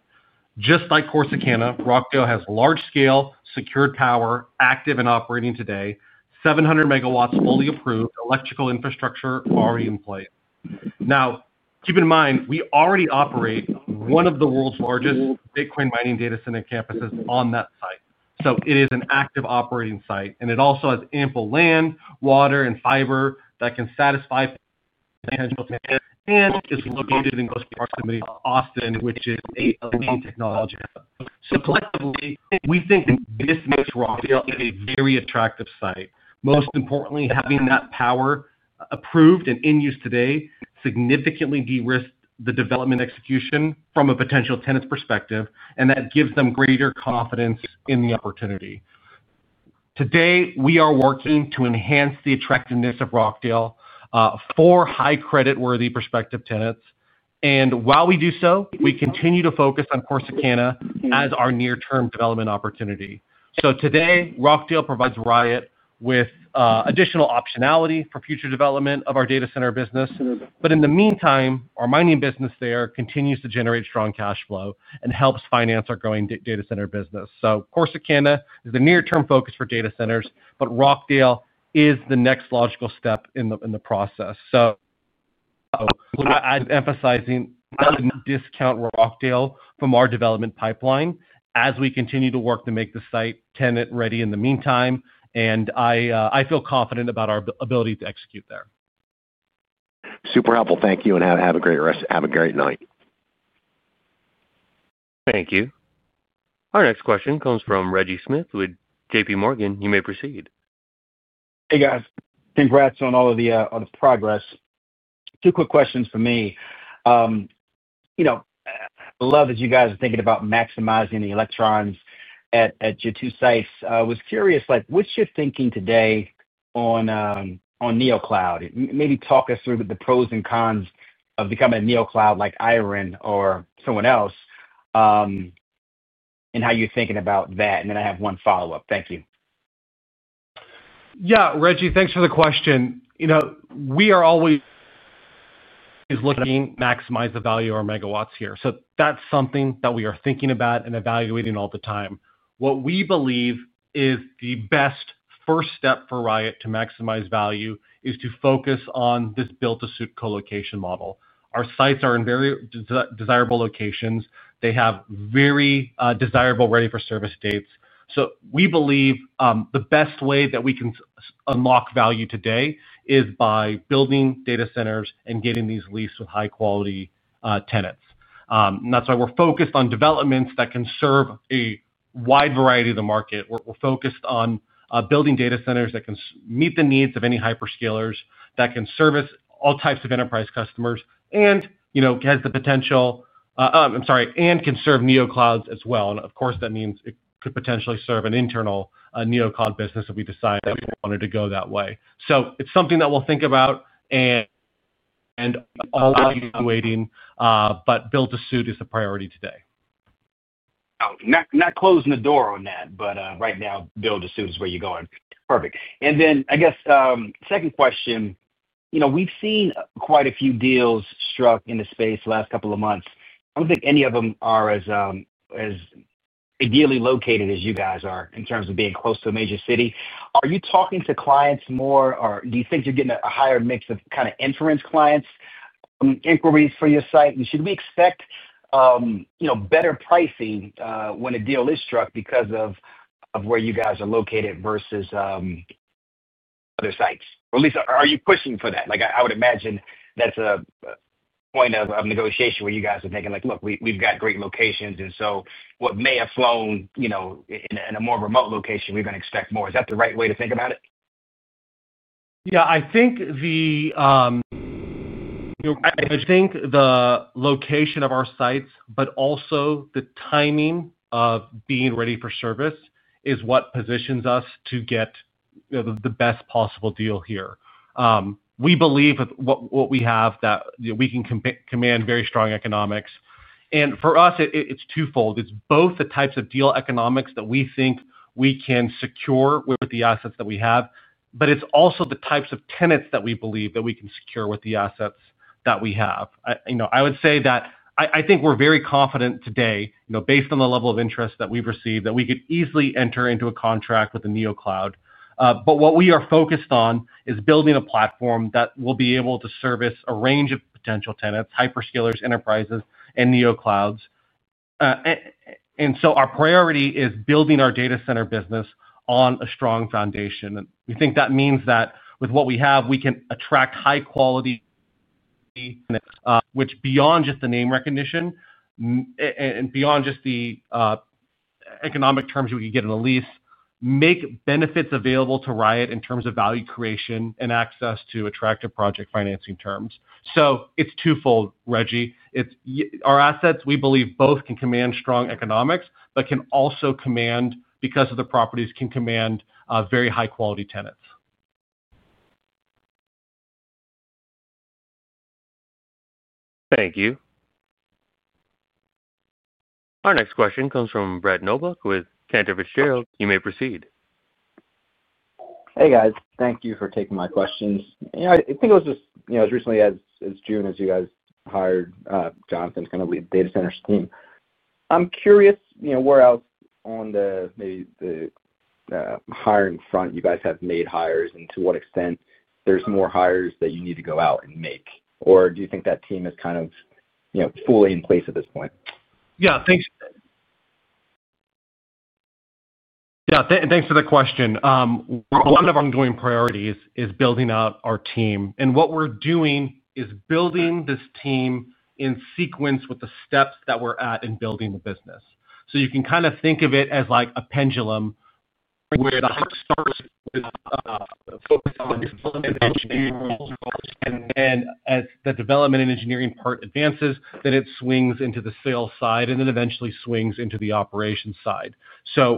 Just like Corsicana, Rockdale has large-scale secured power active and operating today, 700 MW fully approved, electrical infrastructure already in place. Keep in mind, we already operate one of the world's largest Bitcoin mining data center campuses on that site. It is an active operating site, and it also has ample land, water, and fiber that can satisfy potential tenant demand and is located in close proximity to Austin, which is a leading technology hub. Collectively, we think this makes Rockdale a very attractive site. Most importantly, having that power approved and in use today significantly de-risks the development execution from a potential tenant's perspective, and that gives them greater confidence in the opportunity. Today, we are working to enhance the attractiveness of Rockdale for high credit-worthy prospective tenants. While we do so, we continue to focus on Corsicana as our near-term development opportunity. Today, Rockdale provides Riot with additional optionality for future development of our data center business. In the meantime, our mining business there continues to generate strong cash flow and helps finance our growing data center business. Corsicana is the near-term focus for data centers, but Rockdale is the next logical step in the process. I am emphasizing not to discount Rockdale from our development pipeline as we continue to work to make the site tenant-ready in the meantime. I feel confident about our ability to execute there. Super helpful. Thank you. Have a great night. Thank you. Our next question comes from Reggie Smith with JPMorgan. You may proceed. Hey, guys. Congrats on all of the progress. Two quick questions for me. I love that you guys are thinking about maximizing the electrons at your two sites. I was curious, what's your thinking today on Neocloud? Maybe talk us through the pros and cons of becoming a Neocloud like Iron or someone else, and how you're thinking about that. I have one follow-up. Thank you. Yeah, Reggie, thanks for the question. We are always looking to maximize the value of our megawatts here. That's something that we are thinking about and evaluating all the time. What we believe is the best first step for Riot to maximize value is to focus on this build-to-suit colocation model. Our sites are in very desirable locations. They have very desirable ready-for-service dates. We believe the best way that we can unlock value today is by building data centers and getting these leased with high-quality tenants. That's why we're focused on developments that can serve a wide variety of the market. We're focused on building data centers that can meet the needs of any Hyperscalers, that can service all types of Enterprise Customers, and can serve Neoclouds as well. Of course, that means it could potentially serve an internal Neocloud business if we decide that we wanted to go that way. It's something that we'll think about and are already evaluating, but build-to-suit is the priority today. Not closing the door on that, but right now, build-to-suit is where you're going. Perfect. I guess second question. We've seen quite a few deals struck in the space the last couple of months. I don't think any of them are as ideally located as you guys are in terms of being close to a major city. Are you talking to clients more, or do you think you're getting a higher mix of inference clients, inquiries for your site? Should we expect better pricing when a deal is struck because of where you guys are located versus other sites? Or at least, are you pushing for that? I would imagine that's a point of negotiation where you guys are thinking like, "Look, we've got great locations, and so what may have flown in a more remote location, we're going to expect more." Is that the right way to think about it? Yeah. I think the location of our sites, but also the timing of being ready for service, is what positions us to get the best possible deal here. We believe with what we have that we can command very strong economics. For us, it's twofold. It's both the types of deal economics that we think we can secure with the assets that we have, but it's also the types of tenants that we believe that we can secure with the assets that we have. I would say that I think we're very confident today, based on the level of interest that we've received, that we could easily enter into a contract with a Neocloud. What we are focused on is building a platform that will be able to service a range of potential tenants, Hyperscalers, enterprises, and Neoclouds. Our priority is building our data center business on a strong foundation. We think that means that with what we have, we can attract high-quality tenants, which, beyond just the name recognition and beyond just the economic terms we can get in the lease, make benefits available to Riot in terms of value creation and access to attractive project financing terms. It's twofold, Reggie. Our assets, we believe, both can command strong economics but can also command, because of the properties, very high-quality tenants. Thank you. Our next question comes from Brett Knoblauch with Cantor Fitzgerald. You may proceed. Hey, guys. Thank you for taking my questions. I think it was just as recently as June as you guys hired Jonathan to kind of lead the data centers team. I'm curious where else on the hiring front you guys have made hires and to what extent there's more hires that you need to go out and make? Or do you think that team is kind of fully in place at this point? Yeah. Thanks. Yeah. Thanks for the question. One of our ongoing priorities is building out our team. What we're doing is building this team in sequence with the steps that we're at in building the business. You can kind of think of it as a pendulum where the hike starts with focus on development and engineering roles. As the development and engineering part advances, it swings into the sales side and then eventually swings into the operations side.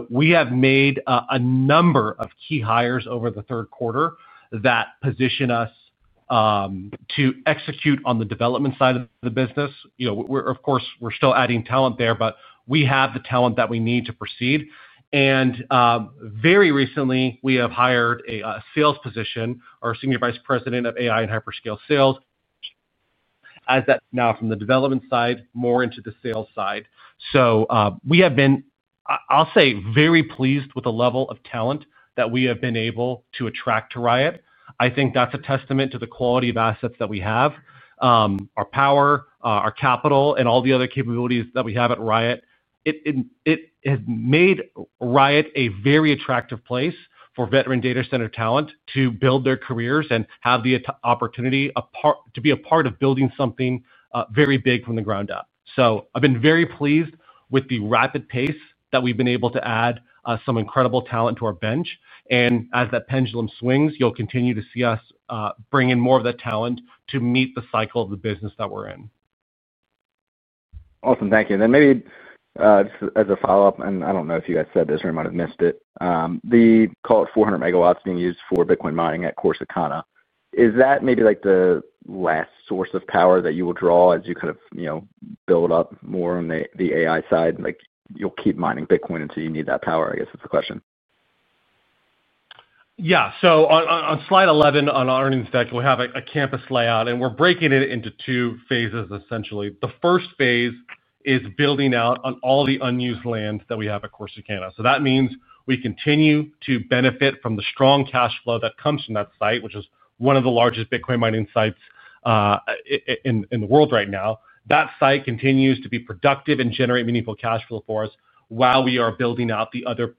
We have made a number of key hires over the third quarter that position us to execute on the development side of the business. Of course, we're still adding talent there, but we have the talent that we need to proceed. Very recently, we have hired a sales position, our Senior Vice President of AI Hyperscale Sales, as that now moves from the development side more into the sales side. We have been, I'll say, very pleased with the level of talent that we have been able to attract to Riot. I think that's a testament to the quality of assets that we have. Our power, our capital, and all the other capabilities that we have at Riot. It has made Riot a very attractive place for veteran data center talent to build their careers and have the opportunity to be a part of building something very big from the ground up. I've been very pleased with the rapid pace that we've been able to add some incredible talent to our bench. As that pendulum swings, you'll continue to see us bring in more of that talent to meet the cycle of the business that we're in. Awesome. Thank you. Maybe as a follow-up, and I don't know if you guys said this or you might have missed it, the call at 400 MW being used for Bitcoin mining at Corsicana, is that maybe the last source of power that you will draw as you kind of build up more on the AI side? You'll keep mining Bitcoin until you need that power, I guess, is the question. Yeah. On slide 11 on our earnings deck, we have a campus layout, and we're breaking it into two phases, essentially. The first phase is building out on all the unused lands that we have at Corsicana. That means we continue to benefit from the strong cash flow that comes from that site, which is one of the largest Bitcoin mining sites in the world right now. That site continues to be productive and generate meaningful cash flow for us while we are building out the other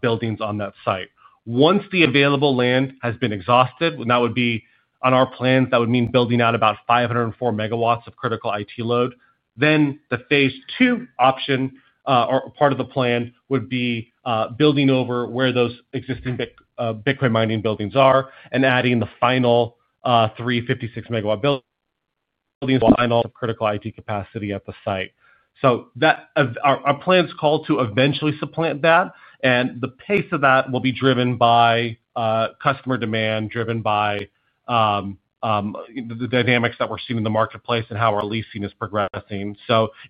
buildings on that site. Once the available land has been exhausted, and that would be on our plans, that would mean building out about 504 MW of critical IT load, then the phase two option or part of the plan would be building over where those existing Bitcoin mining buildings are and adding the final 356 MW buildings, final critical IT capacity at the site. Our plan's called to eventually supplant that, and the pace of that will be driven by customer demand, driven by the dynamics that we're seeing in the marketplace and how our leasing is progressing.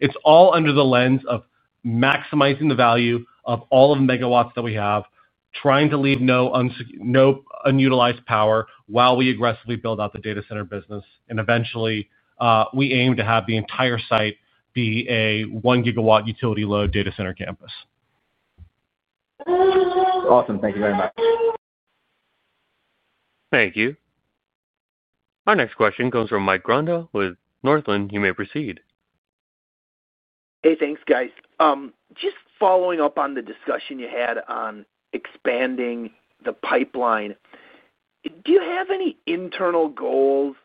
It's all under the lens of maximizing the value of all of the megawatt that we have, trying to leave no unutilized power while we aggressively build out the data center business. Eventually, we aim to have the entire site be a 1 GW utility-load data center campus. Awesome. Thank you very much. Thank you. Our next question comes from Mike Grondahl with Northland. You may proceed. Hey, thanks, guys. Just following up on the discussion you had on expanding the pipeline. Do you have any internal goals,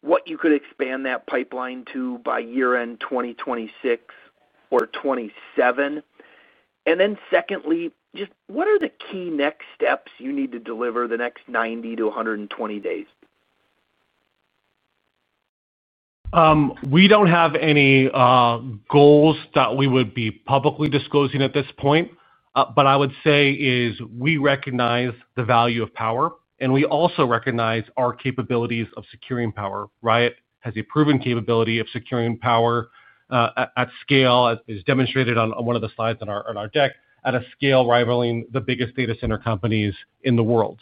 what you could expand that pipeline to by year-end 2026 or 2027? Secondly, just what are the key next steps you need to deliver the next 90 to 120 days? We don't have any goals that we would be publicly disclosing at this point, but what I would say is we recognize the value of power, and we also recognize our capabilities of securing power. Riot has a proven capability of securing power at scale, as demonstrated on one of the slides on our deck, at a scale rivaling the biggest data center companies in the world.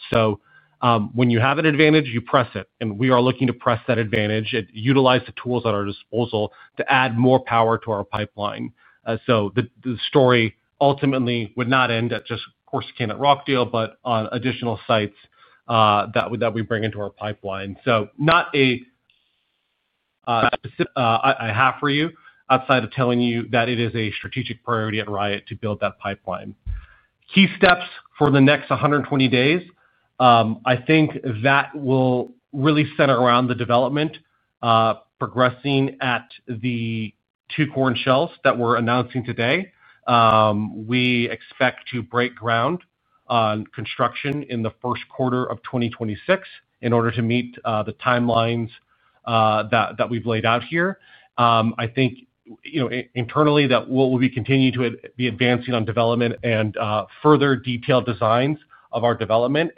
When you have an advantage, you press it. We are looking to press that advantage and utilize the tools at our disposal to add more power to our pipeline. The story ultimately would not end at just Corsicana or Rockdale, but on additional sites that we bring into our pipeline. Not a have for you outside of telling you that it is a strategic priority at Riot to build that pipeline. Key steps for the next 120 days, I think that will really center around the development progressing at the two core and shells that we're announcing today. We expect to break ground on construction in the first quarter of 2026 in order to meet the timelines that we've laid out here. Internally, we'll be continuing to be advancing on development and further detailed designs of our development.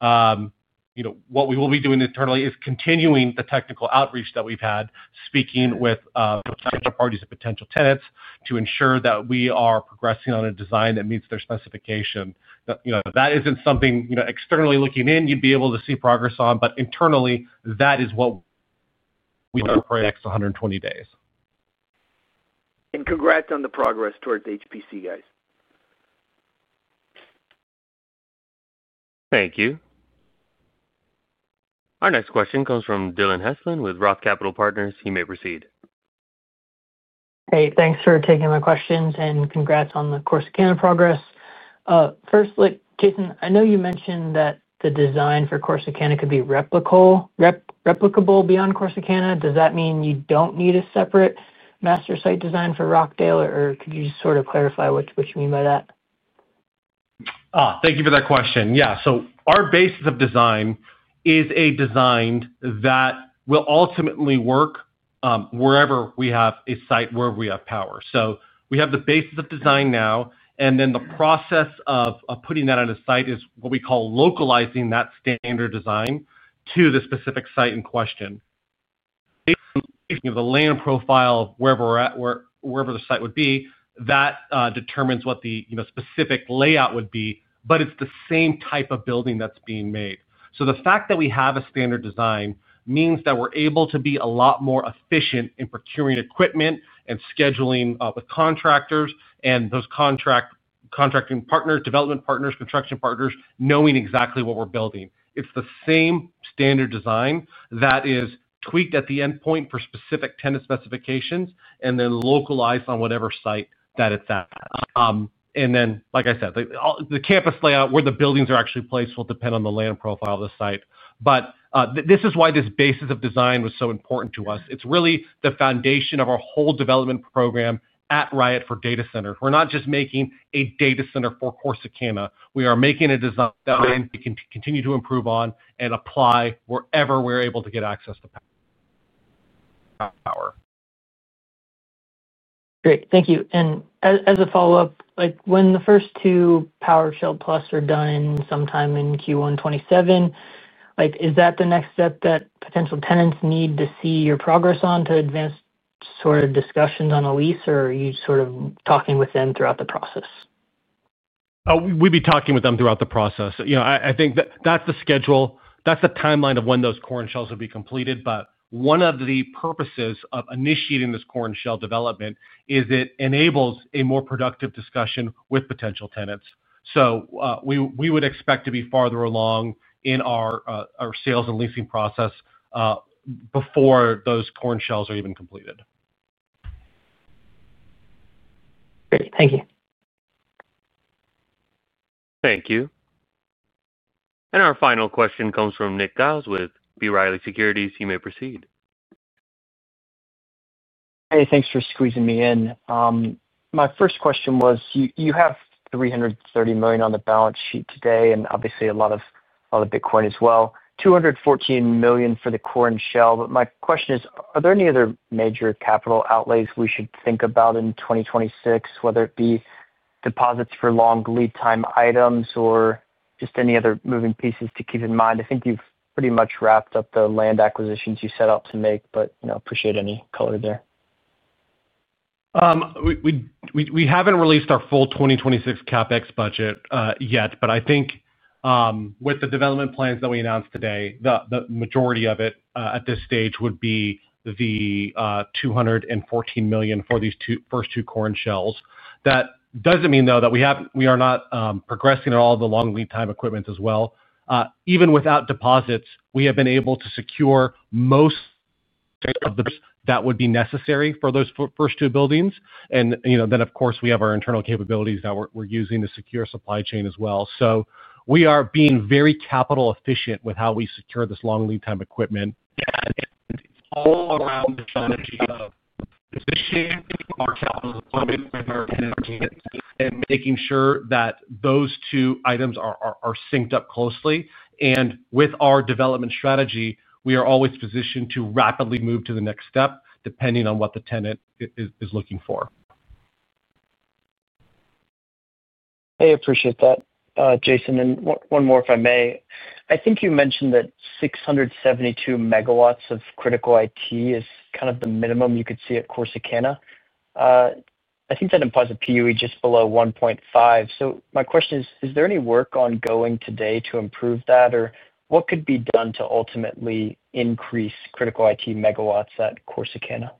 What we will be doing internally is continuing the technical outreach that we've had, speaking with potential parties and potential tenants to ensure that we are progressing on a design that meets their specification. That isn't something externally looking in you'd be able to see progress on, but internally, that is what we look for in the next 120 days. Congrats on the progress towards HPC, guys. Thank you. Our next question comes from Dillon Heslin with ROTH Capital Partners. He may proceed. Hey, thanks for taking my questions and congrats on the Corsicana progress. First, Jason, I know you mentioned that the design for Corsicana could be replicable beyond Corsicana. Does that mean you don't need a separate master site design for Rockdale, or could you just sort of clarify what you mean by that? Thank you for that question. Yeah. Our basis of design is a design that will ultimately work wherever we have a site where we have power. We have the basis of design now, and then the process of putting that on a site is what we call localizing that standard design to the specific site in question. Based on the land profile of wherever the site would be, that determines what the specific layout would be, but it's the same type of building that's being made. The fact that we have a standard design means that we're able to be a lot more efficient in procuring equipment and scheduling with contractors and those contracting partners, development partners, construction partners, knowing exactly what we're building. It's the same standard design that is tweaked at the endpoint for specific tenant specifications and then localized on whatever site that it's at. Like I said, the campus layout, where the buildings are actually placed, will depend on the land profile of the site. This is why this basis of design was so important to us. It's really the foundation of our whole development program at Riot for data centers. We're not just making a data center for Corsicana. We are making a design that we can continue to improve on and apply wherever we're able to get access to power. Great. Thank you. As a follow-up, when the first two PowerShell Plus are done sometime in Q1 2027, is that the next step that potential tenants need to see your progress on to advance sort of discussions on a lease, or are you sort of talking with them throughout the process? We'd be talking with them throughout the process. I think that's the schedule. That's the timeline of when those core and shells will be completed. One of the purposes of initiating this core and shell development is it enables a more productive discussion with potential tenants. We would expect to be farther along in our sales and leasing process before those core and shells are even completed. Great. Thank you. Thank you. Our final question comes from Nick Giles with B. Riley Securities. He may proceed. Hey, thanks for squeezing me in. My first question was, you have $330 million on the balance sheet today and obviously a lot of Bitcoin as well, $214 million for the core and shell. My question is, are there any other major capital outlays we should think about in 2026, whether it be deposits for long lead time items or just any other moving pieces to keep in mind? I think you've pretty much wrapped up the land acquisitions you set out to make, but appreciate any color there. We haven't released our full 2026 CapEx budget yet, but I think with the development plans that we announced today, the majority of it at this stage would be the $214 million for these first two core and shells. That doesn't mean, though, that we are not progressing at all the long lead time equipment as well. Even without deposits, we have been able to secure most of the equipment that would be necessary for those first two buildings. Of course, we have our internal capabilities that we're using to secure supply chain as well. We are being very capital efficient with how we secure this long lead time equipment. It's all around the strategy of positioning our capital deployment and making sure that those two items are synced up closely. With our development strategy, we are always positioned to rapidly move to the next step depending on what the tenant is looking for. I appreciate that, Jason. One more if I may. I think you mentioned that 672 MW of critical IT is kind of the minimum you could see at Corsicana. I think that implies a PUE just below 1.5. My question is, is there any work ongoing today to improve that, or what could be done to ultimately increase critical IT megawatts at Corsicana?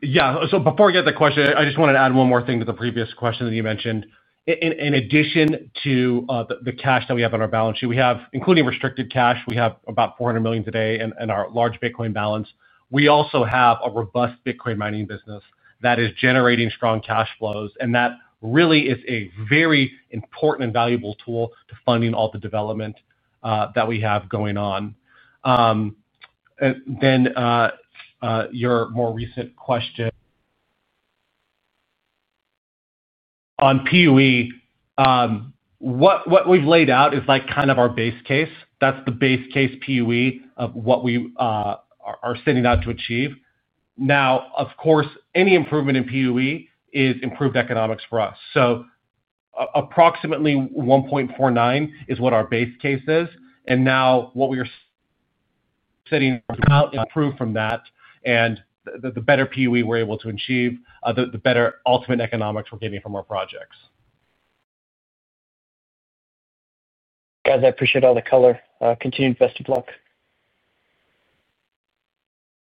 Yeah. Before I get to that question, I just wanted to add one more thing to the previous question that you mentioned. In addition to the cash that we have on our balance sheet, including restricted cash, we have about $400 million today in our large Bitcoin balance. We also have a robust Bitcoin mining business that is generating strong cash flows, and that really is a very important and valuable tool to funding all the development that we have going on. Your more recent question on PUE, what we've laid out is kind of our base case. That's the base case PUE of what we are setting out to achieve. Of course, any improvement in PUE is improved economics for us. Approximately 1.49 is what our base case is, and now we are setting to improve from that, and the better PUE we're able to achieve, the better ultimate economics we're getting from our projects. Guys, I appreciate all the color. Continue to invest with luck.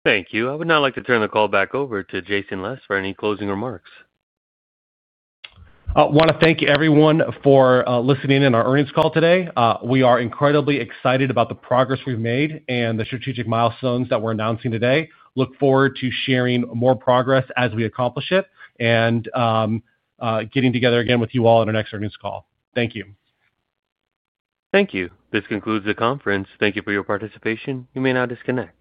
Thank you. I would now like to turn the call back over to Jason Les for any closing remarks. I want to thank everyone for listening in on our earnings call today. We are incredibly excited about the progress we've made and the strategic milestones that we're announcing today. Look forward to sharing more progress as we accomplish it and getting together again with you all on our next earnings call. Thank you. Thank you. This concludes the conference. Thank you for your participation. You may now disconnect.